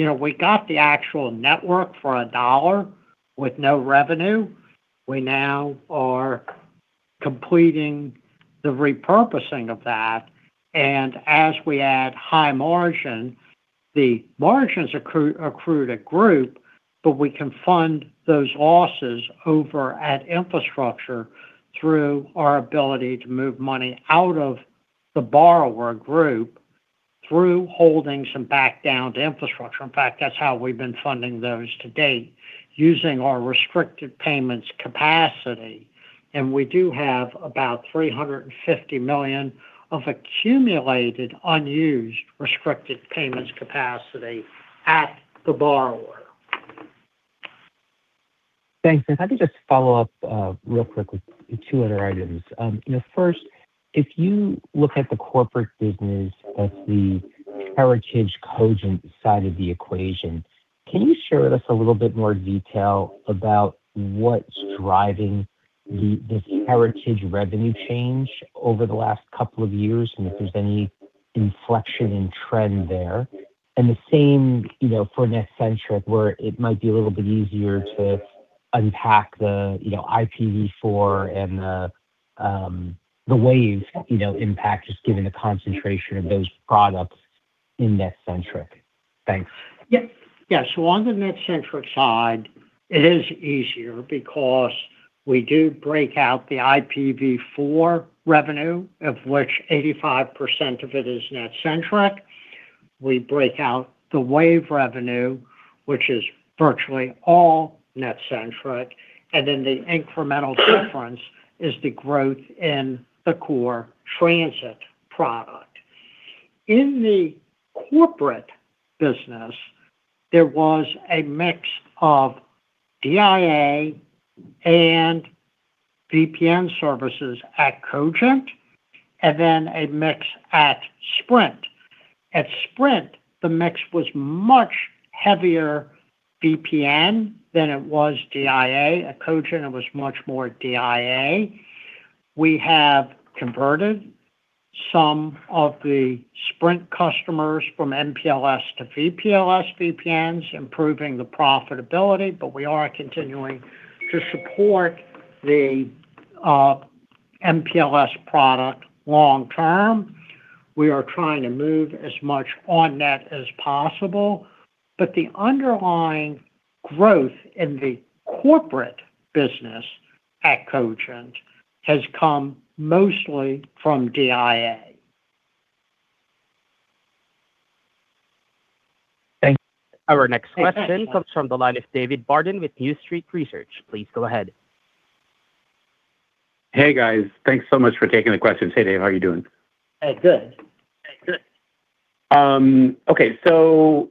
You know, we got the actual network for $1 with no revenue. We now are completing the repurposing of that, and as we add high margin, the margins accrued at group, but we can fund those losses over at infrastructure through our ability to move money out of the borrower group through holding some back down to infrastructure. In fact, that's how we've been funding those to date, using our restricted payments capacity and we do have about $350 million of accumulated, unused, restricted payments capacity at the borrower. Thanks. If I could just follow up, real quick with two other items. You know, first, if you look at the corporate business, that's the Heritage Cogent side of the equation, can you share with us a little bit more detail about what's driving the, this Heritage revenue change over the last couple of years, and if there's any inflection in trend there? And the same, you know, for NetCentric, where it might be a little bit easier to unpack the, you know, IPv4 and the, the Wave, you know, impact, just given the concentration of those products in NetCentric. Thanks. Yeah. Yeah. So on the NetCentric side, it is easier because we do break out the IPv4 revenue, of which 85% of it is NetCentric. We break out the Wave revenue, which is virtually all NetCentric, and then the incremental difference is the growth in the core transit product. In the corporate business, there was a mix of DIA and VPN services at Cogent, and then a mix at Sprint. At Sprint, the mix was much heavier VPN than it was DIA. At Cogent, it was much more DIA. We have converted some of the Sprint customers from MPLS to VPLS VPNs, improving the profitability, but we are continuing to support the MPLS product long term. We are trying to move as much on that as possible, but the underlying growth in the corporate business at Cogent has come mostly from DIA. Thank you. Our next question comes from the line of David Barden with New Street Research. Please go ahead. Hey, guys. Thanks so much for taking the question. Hey, Dave, how are you doing? Hey, good. Hey, good. Okay. So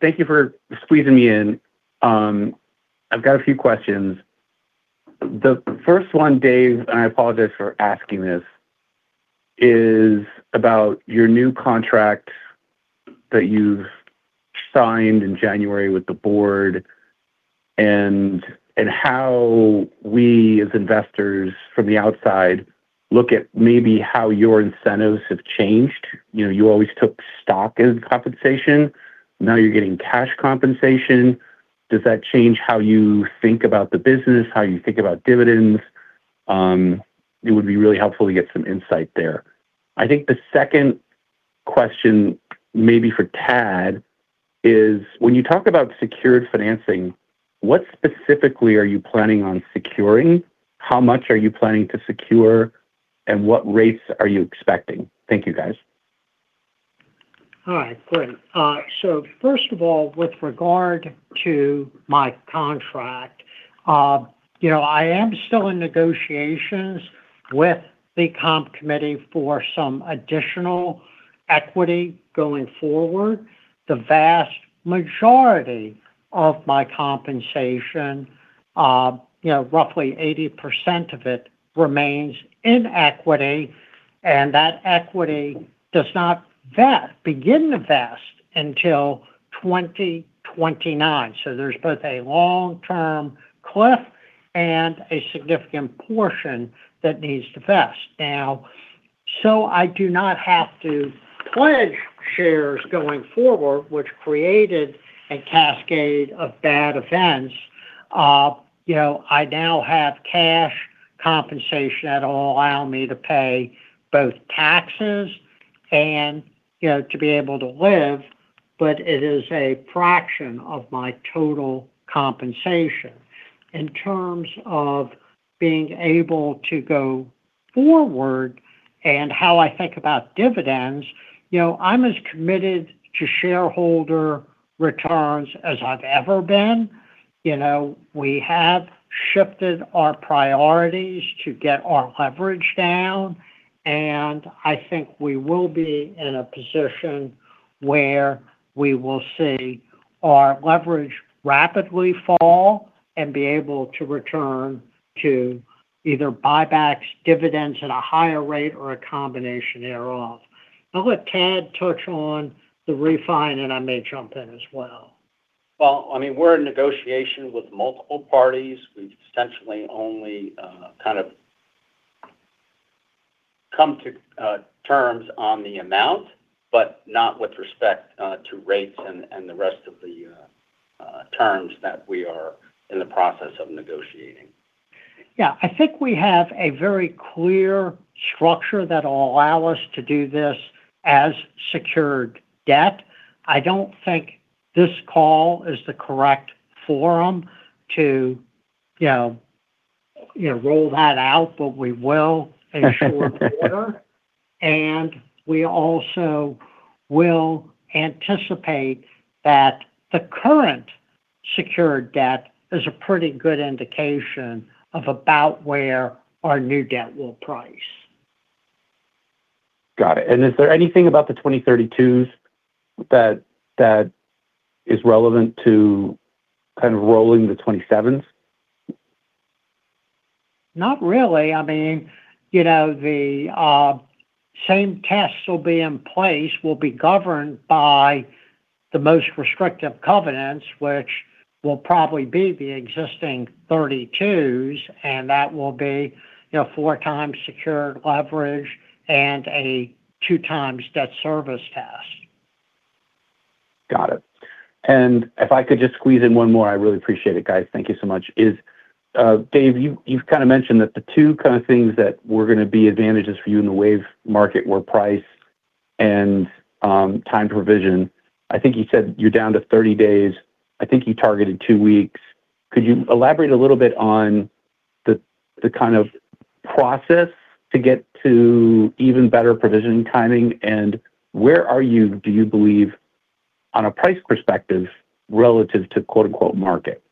thank you for squeezing me in. I've got a few questions. The first one, Dave, and I apologize for asking this, is about your new contract that you've signed in January with the board and how we as investors from the outside look at maybe how your incentives have changed. You know, you always took stock as compensation, now you're getting cash compensation. Does that change how you think about the business, how you think about dividends? It would be really helpful to get some insight there. I think the second question, maybe for Tad, is: when you talk about secured financing, what specifically are you planning on securing? How much are you planning to secure, and what rates are you expecting? Thank you, guys. All right, great. So first of all, with regard to my contract, you know, I am still in negotiations with the comp committee for some additional equity going forward. The vast majority of my compensation, you know, roughly 80% of it, remains in equity, and that equity does not vest, begin to vest until 2029. So there's both a long-term cliff and a significant portion that needs to vest. Now, so I do not have to pledge shares going forward, which created a cascade of bad events, you know, I now have cash compensation that will allow me to pay both taxes and, you know, to be able to live, but it is a fraction of my total compensation. In terms of being able to go forward and how I think about dividends, you know, I'm as committed to shareholder returns as I've ever been. You know, we have shifted our priorities to get our leverage down, and I think we will be in a position where we will see our leverage rapidly fall and be able to return to either buybacks, dividends at a higher rate, or a combination thereof. I'll let Tad touch on the refi, and I may jump in as well. Well, I mean, we're in negotiation with multiple parties. We've essentially only, kind of come to, terms on the amount, but not with respect, to rates and, and the rest of the, terms that we are in the process of negotiating. Yeah, I think we have a very clear structure that will allow us to do this as secured debt. I don't think this call is the correct forum to, you know, you know, roll that out, but we will make sure to order. And we also will anticipate that the current secured debt is a pretty good indication of about where our new debt will price. Got it. And is there anything about the 2032s that is relevant to kind of rolling the 2027s? Not really. I mean, you know, the same tests will be in place, will be governed by the most restrictive covenants, which will probably be the existing 32s, and that will be, you know, 4x secured leverage and a 2x debt service test. Got it. And if I could just squeeze in one more, I really appreciate it, guys. Thank you so much. Is, Dave, you, you've kind of mentioned that the two kind of things that were gonna be advantages for you in the Wave market were price and time to provision. I think you said you're down to 30 days. I think you targeted two weeks. Could you elaborate a little bit on the kind of process to get to even better provision timing? And where are you, do you believe, on a price perspective, relative to quote-unquote, market?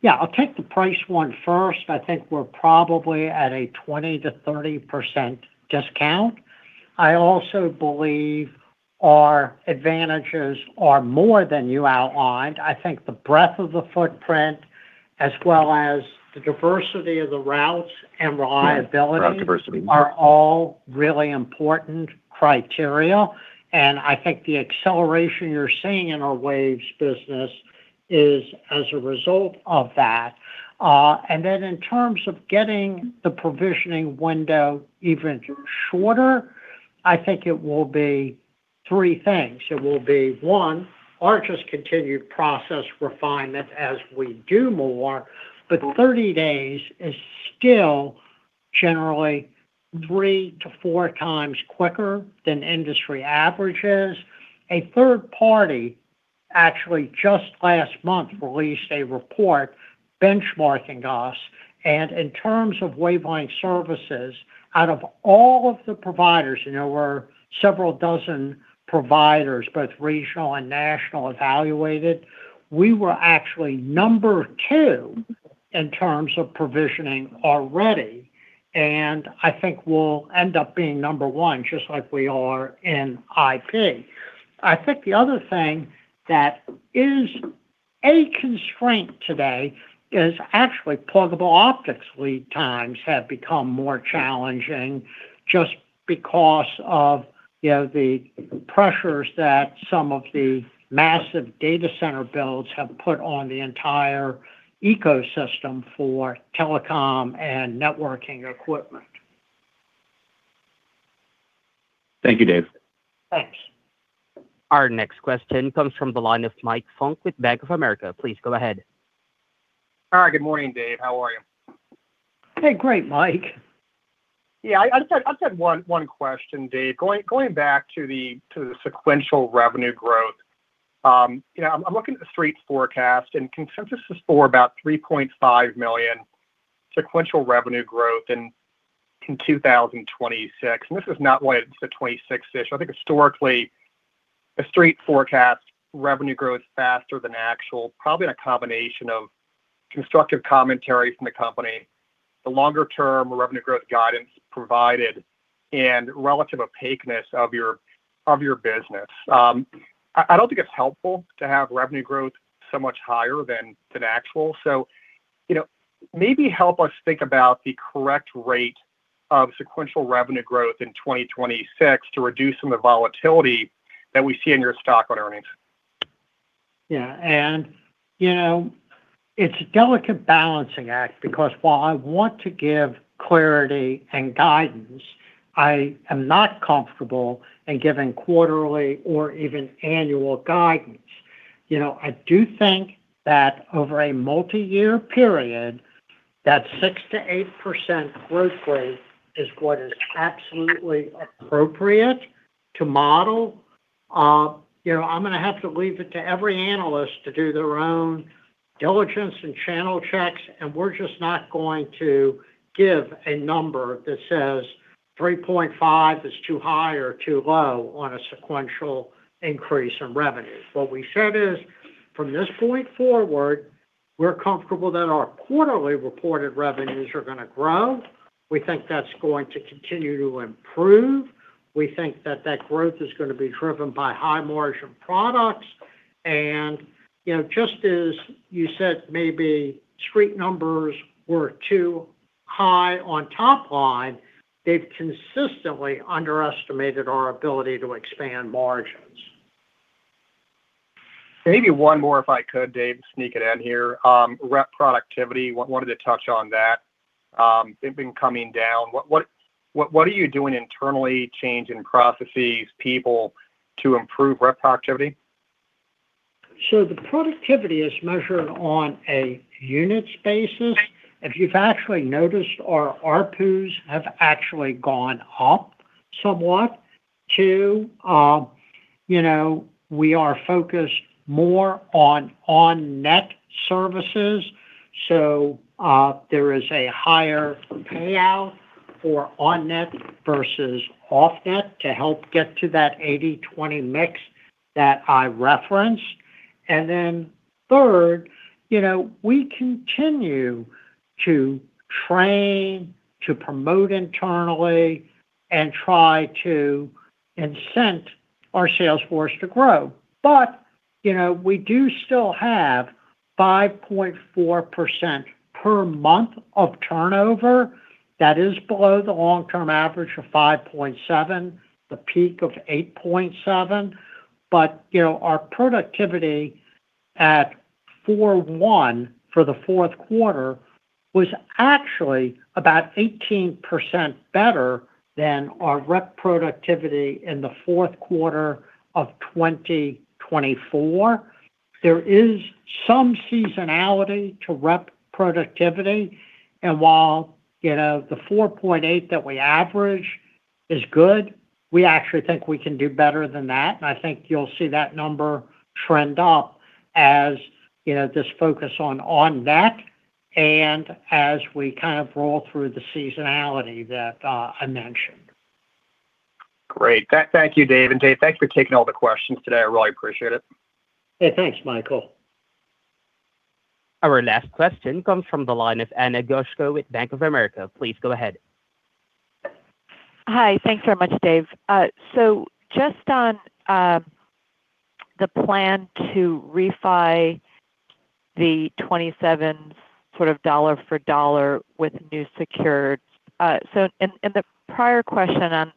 Yeah, I'll take the price one first. I think we're probably at a 20%-30% discount. I also believe our advantages are more than you outlined. I think the breadth of the footprint, as well as the diversity of the routes and reliability- Route diversity. are all really important criteria, and I think the acceleration you're seeing in our Waves business is as a result of that. And then in terms of getting the provisioning window even shorter, I think it will be three things. It will be, one, our just continued process refinement as we do more, but 30 days is still generally 3-4 times quicker than industry averages. A third party, actually just last month, released a report benchmarking us, and in terms of Wavelength services, out of all of the providers, and there were several dozen providers, both regional and national, evaluated, we were actually number two in terms of provisioning already, and I think we'll end up being number one, just like we are in IP. I think the other thing that is a constraint today is actually pluggable optics lead times have become more challenging just because of, you know, the pressures that some of the massive data center builds have put on the entire ecosystem for telecom and networking equipment. Thank you, Dave. Thanks. Our next question comes from the line of Mike Funk with Bank of America. Please go ahead. Hi, good morning, Dave. How are you? Hey, great, Mike. Yeah, I just had one question, Dave. Going back to the sequential revenue growth, you know, I'm looking at the street forecast, and consensus is for about $3.5 million sequential revenue growth in 2026, and this is not why it's a 2026 issue. I think historically, the street forecast revenue grows faster than actual, probably in a combination of constructive commentary from the company, the longer-term revenue growth guidance provided, and relative opaqueness of your business. I don't think it's helpful to have revenue growth so much higher than actual. So, you know, maybe help us think about the correct rate of sequential revenue growth in 2026 to reduce some of the volatility that we see in your stock on earnings. Yeah, and you know, it's a delicate balancing act because while I want to give clarity and guidance, I am not comfortable in giving quarterly or even annual guidance. You know, I do think that over a multiyear period, that 6%-8% growth rate is what is absolutely appropriate to model. You know, I'm gonna have to leave it to every analyst to do their own diligence and channel checks, and we're just not going to give a number that says 3.5 is too high or too low on a sequential increase in revenue. What we said is, from this point forward, we're comfortable that our quarterly reported revenues are gonna grow. We think that's going to continue to improve. We think that that growth is gonna be driven by high-margin products, and, you know, just as you said, maybe street numbers were too high on top line, they've consistently underestimated our ability to expand margins. Maybe one more if I could, Dave, sneak it in here. Rep productivity, wanted to touch on that. They've been coming down. What are you doing internally, changing processes, people, to improve rep productivity? So the productivity is measured on a units basis. If you've actually noticed, our ARPUs have actually gone up somewhat to, you know, we are focused more on On-Net services, so, there is a higher payout for On-Net versus Off-Net to help get to that 80/20 mix that I referenced. And then third, you know, we continue to train, to promote internally, and try to incent our sales force to grow. But, you know, we do still have 5.4% per month of turnover. That is below the long-term average of 5.7, the peak of 8.7. But, you know, our productivity at 41 for the fourth quarter was actually about 18% better than our rep productivity in the fourth quarter of 2024. There is some seasonality to rep productivity, and while, you know, the 4.8 that we average is good, we actually think we can do better than that, and I think you'll see that number trend up as, you know, this focus on On-Net and as we kind of roll through the seasonality that I mentioned. Great. Thank you, Dave. Dave, thanks for taking all the questions today. I really appreciate it. Hey, thanks, Michael. Our last question comes from the line of Ana Goshko with Bank of America. Please go ahead. Hi. Thanks very much, Dave. So just on the plan to refi the 2027 sort of dollar for dollar with new secured. So in the prior question on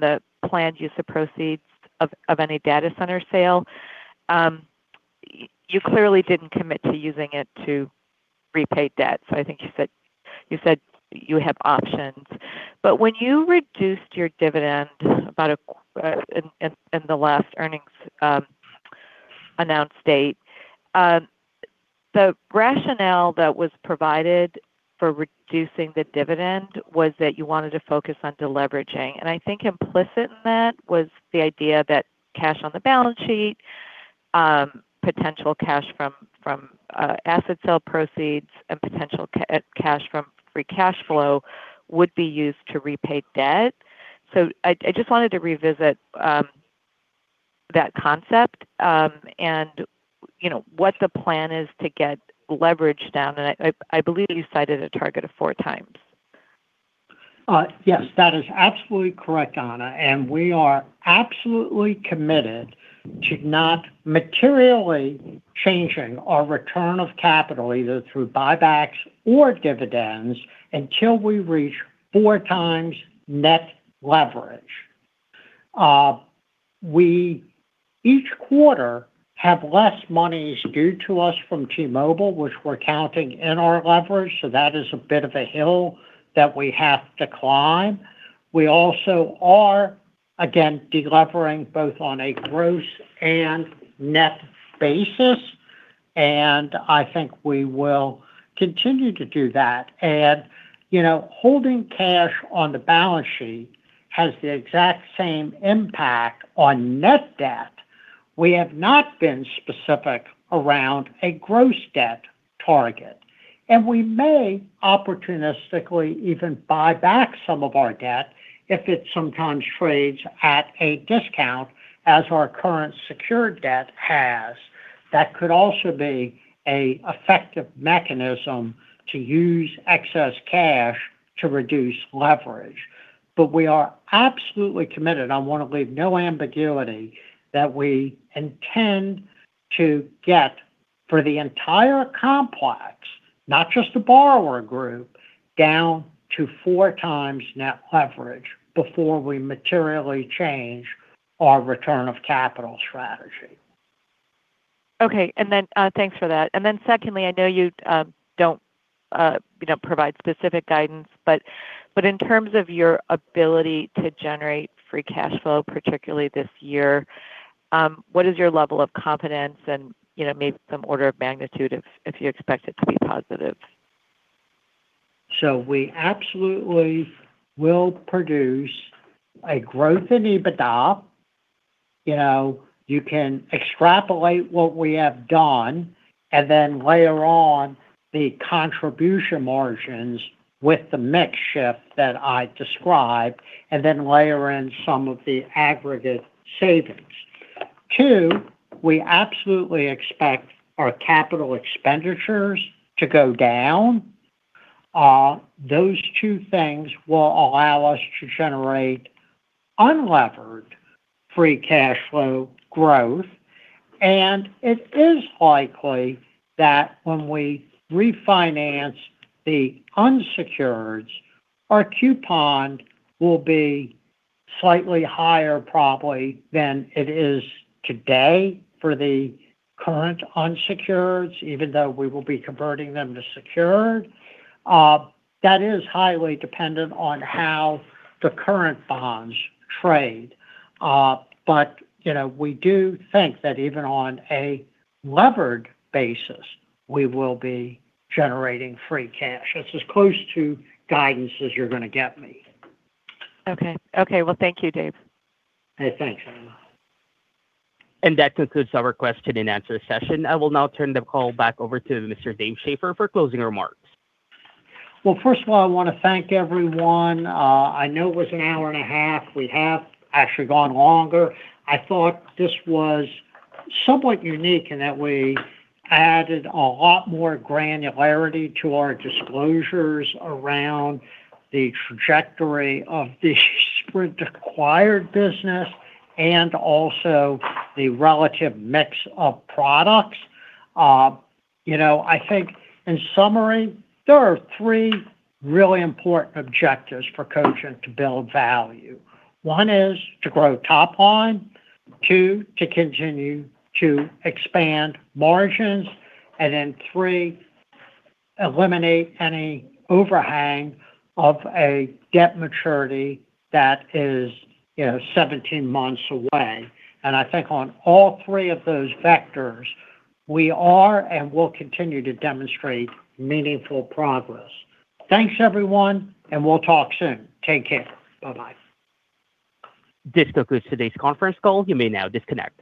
the planned use of proceeds of any data center sale, you clearly didn't commit to using it to repay debt. So I think you said, you said you have options. But when you reduced your dividend about in the last earnings announced date, the rationale that was provided for reducing the dividend was that you wanted to focus on deleveraging. And I think implicit in that was the idea that cash on the balance sheet, potential cash from asset sale proceeds, and potential cash from free cash flow would be used to repay debt. So I just wanted to revisit that concept, and you know, what the plan is to get leverage down, and I believe you cited a target of 4x. Yes, that is absolutely correct, Ana, and we are absolutely committed to not materially changing our return of capital, either through buybacks or dividends, until we reach 4x net leverage. We, each quarter, have less monies due to us from T-Mobile, which we're counting in our leverage, so that is a bit of a hill that we have to climb. We also are, again, delevering both on a gross and net basis, and I think we will continue to do that. And, you know, holding cash on the balance sheet has the exact same impact on net debt. We have not been specific around a gross debt target, and we may opportunistically even buy back some of our debt if it sometimes trades at a discount, as our current secured debt has. That could also be an effective mechanism to use excess cash to reduce leverage. We are absolutely committed. I wanna leave no ambiguity that we intend to get, for the entire complex, not just the borrower group, down to 4x net leverage before we materially change our return of capital strategy. Okay, and then thanks for that. And then secondly, I know you don't, you know, provide specific guidance, but but in terms of your ability to generate free cash flow, particularly this year, what is your level of confidence and, you know, maybe some order of magnitude if if you expect it to be positive? So we absolutely will produce a growth in EBITDA. You know, you can extrapolate what we have done and then layer on the contribution margins with the mix shift that I described, and then layer in some of the aggregate savings. Two, we absolutely expect our capital expenditures to go down. Those two things will allow us to generate unlevered free cash flow growth, and it is likely that when we refinance the unsecureds, our coupon will be slightly higher probably than it is today for the current unsecureds, even though we will be converting them to secured. That is highly dependent on how the current bonds trade. But, you know, we do think that even on a levered basis, we will be generating free cash. That's as close to guidance as you're gonna get me. Okay. Okay, well, thank you, Dave. Hey, thanks, Ana. That concludes our question and answer session. I will now turn the call back over to Mr. Dave Schaeffer for closing remarks. Well, first of all, I wanna thank everyone. I know it was 1.5 hour. We have actually gone longer. I thought this was somewhat unique in that we added a lot more granularity to our disclosures around the trajectory of the Sprint-acquired business and also the relative mix of products. You know, I think in summary, there are three really important objectives for Cogent to build value. One is to grow top line, two, to continue to expand margins, and then three, eliminate any overhang of a debt maturity that is, you know, 17 months away. And I think on all three of those vectors, we are and will continue to demonstrate meaningful progress. Thanks, everyone, and we'll talk soon. Take care. Bye-bye. This concludes today's conference call. You may now disconnect.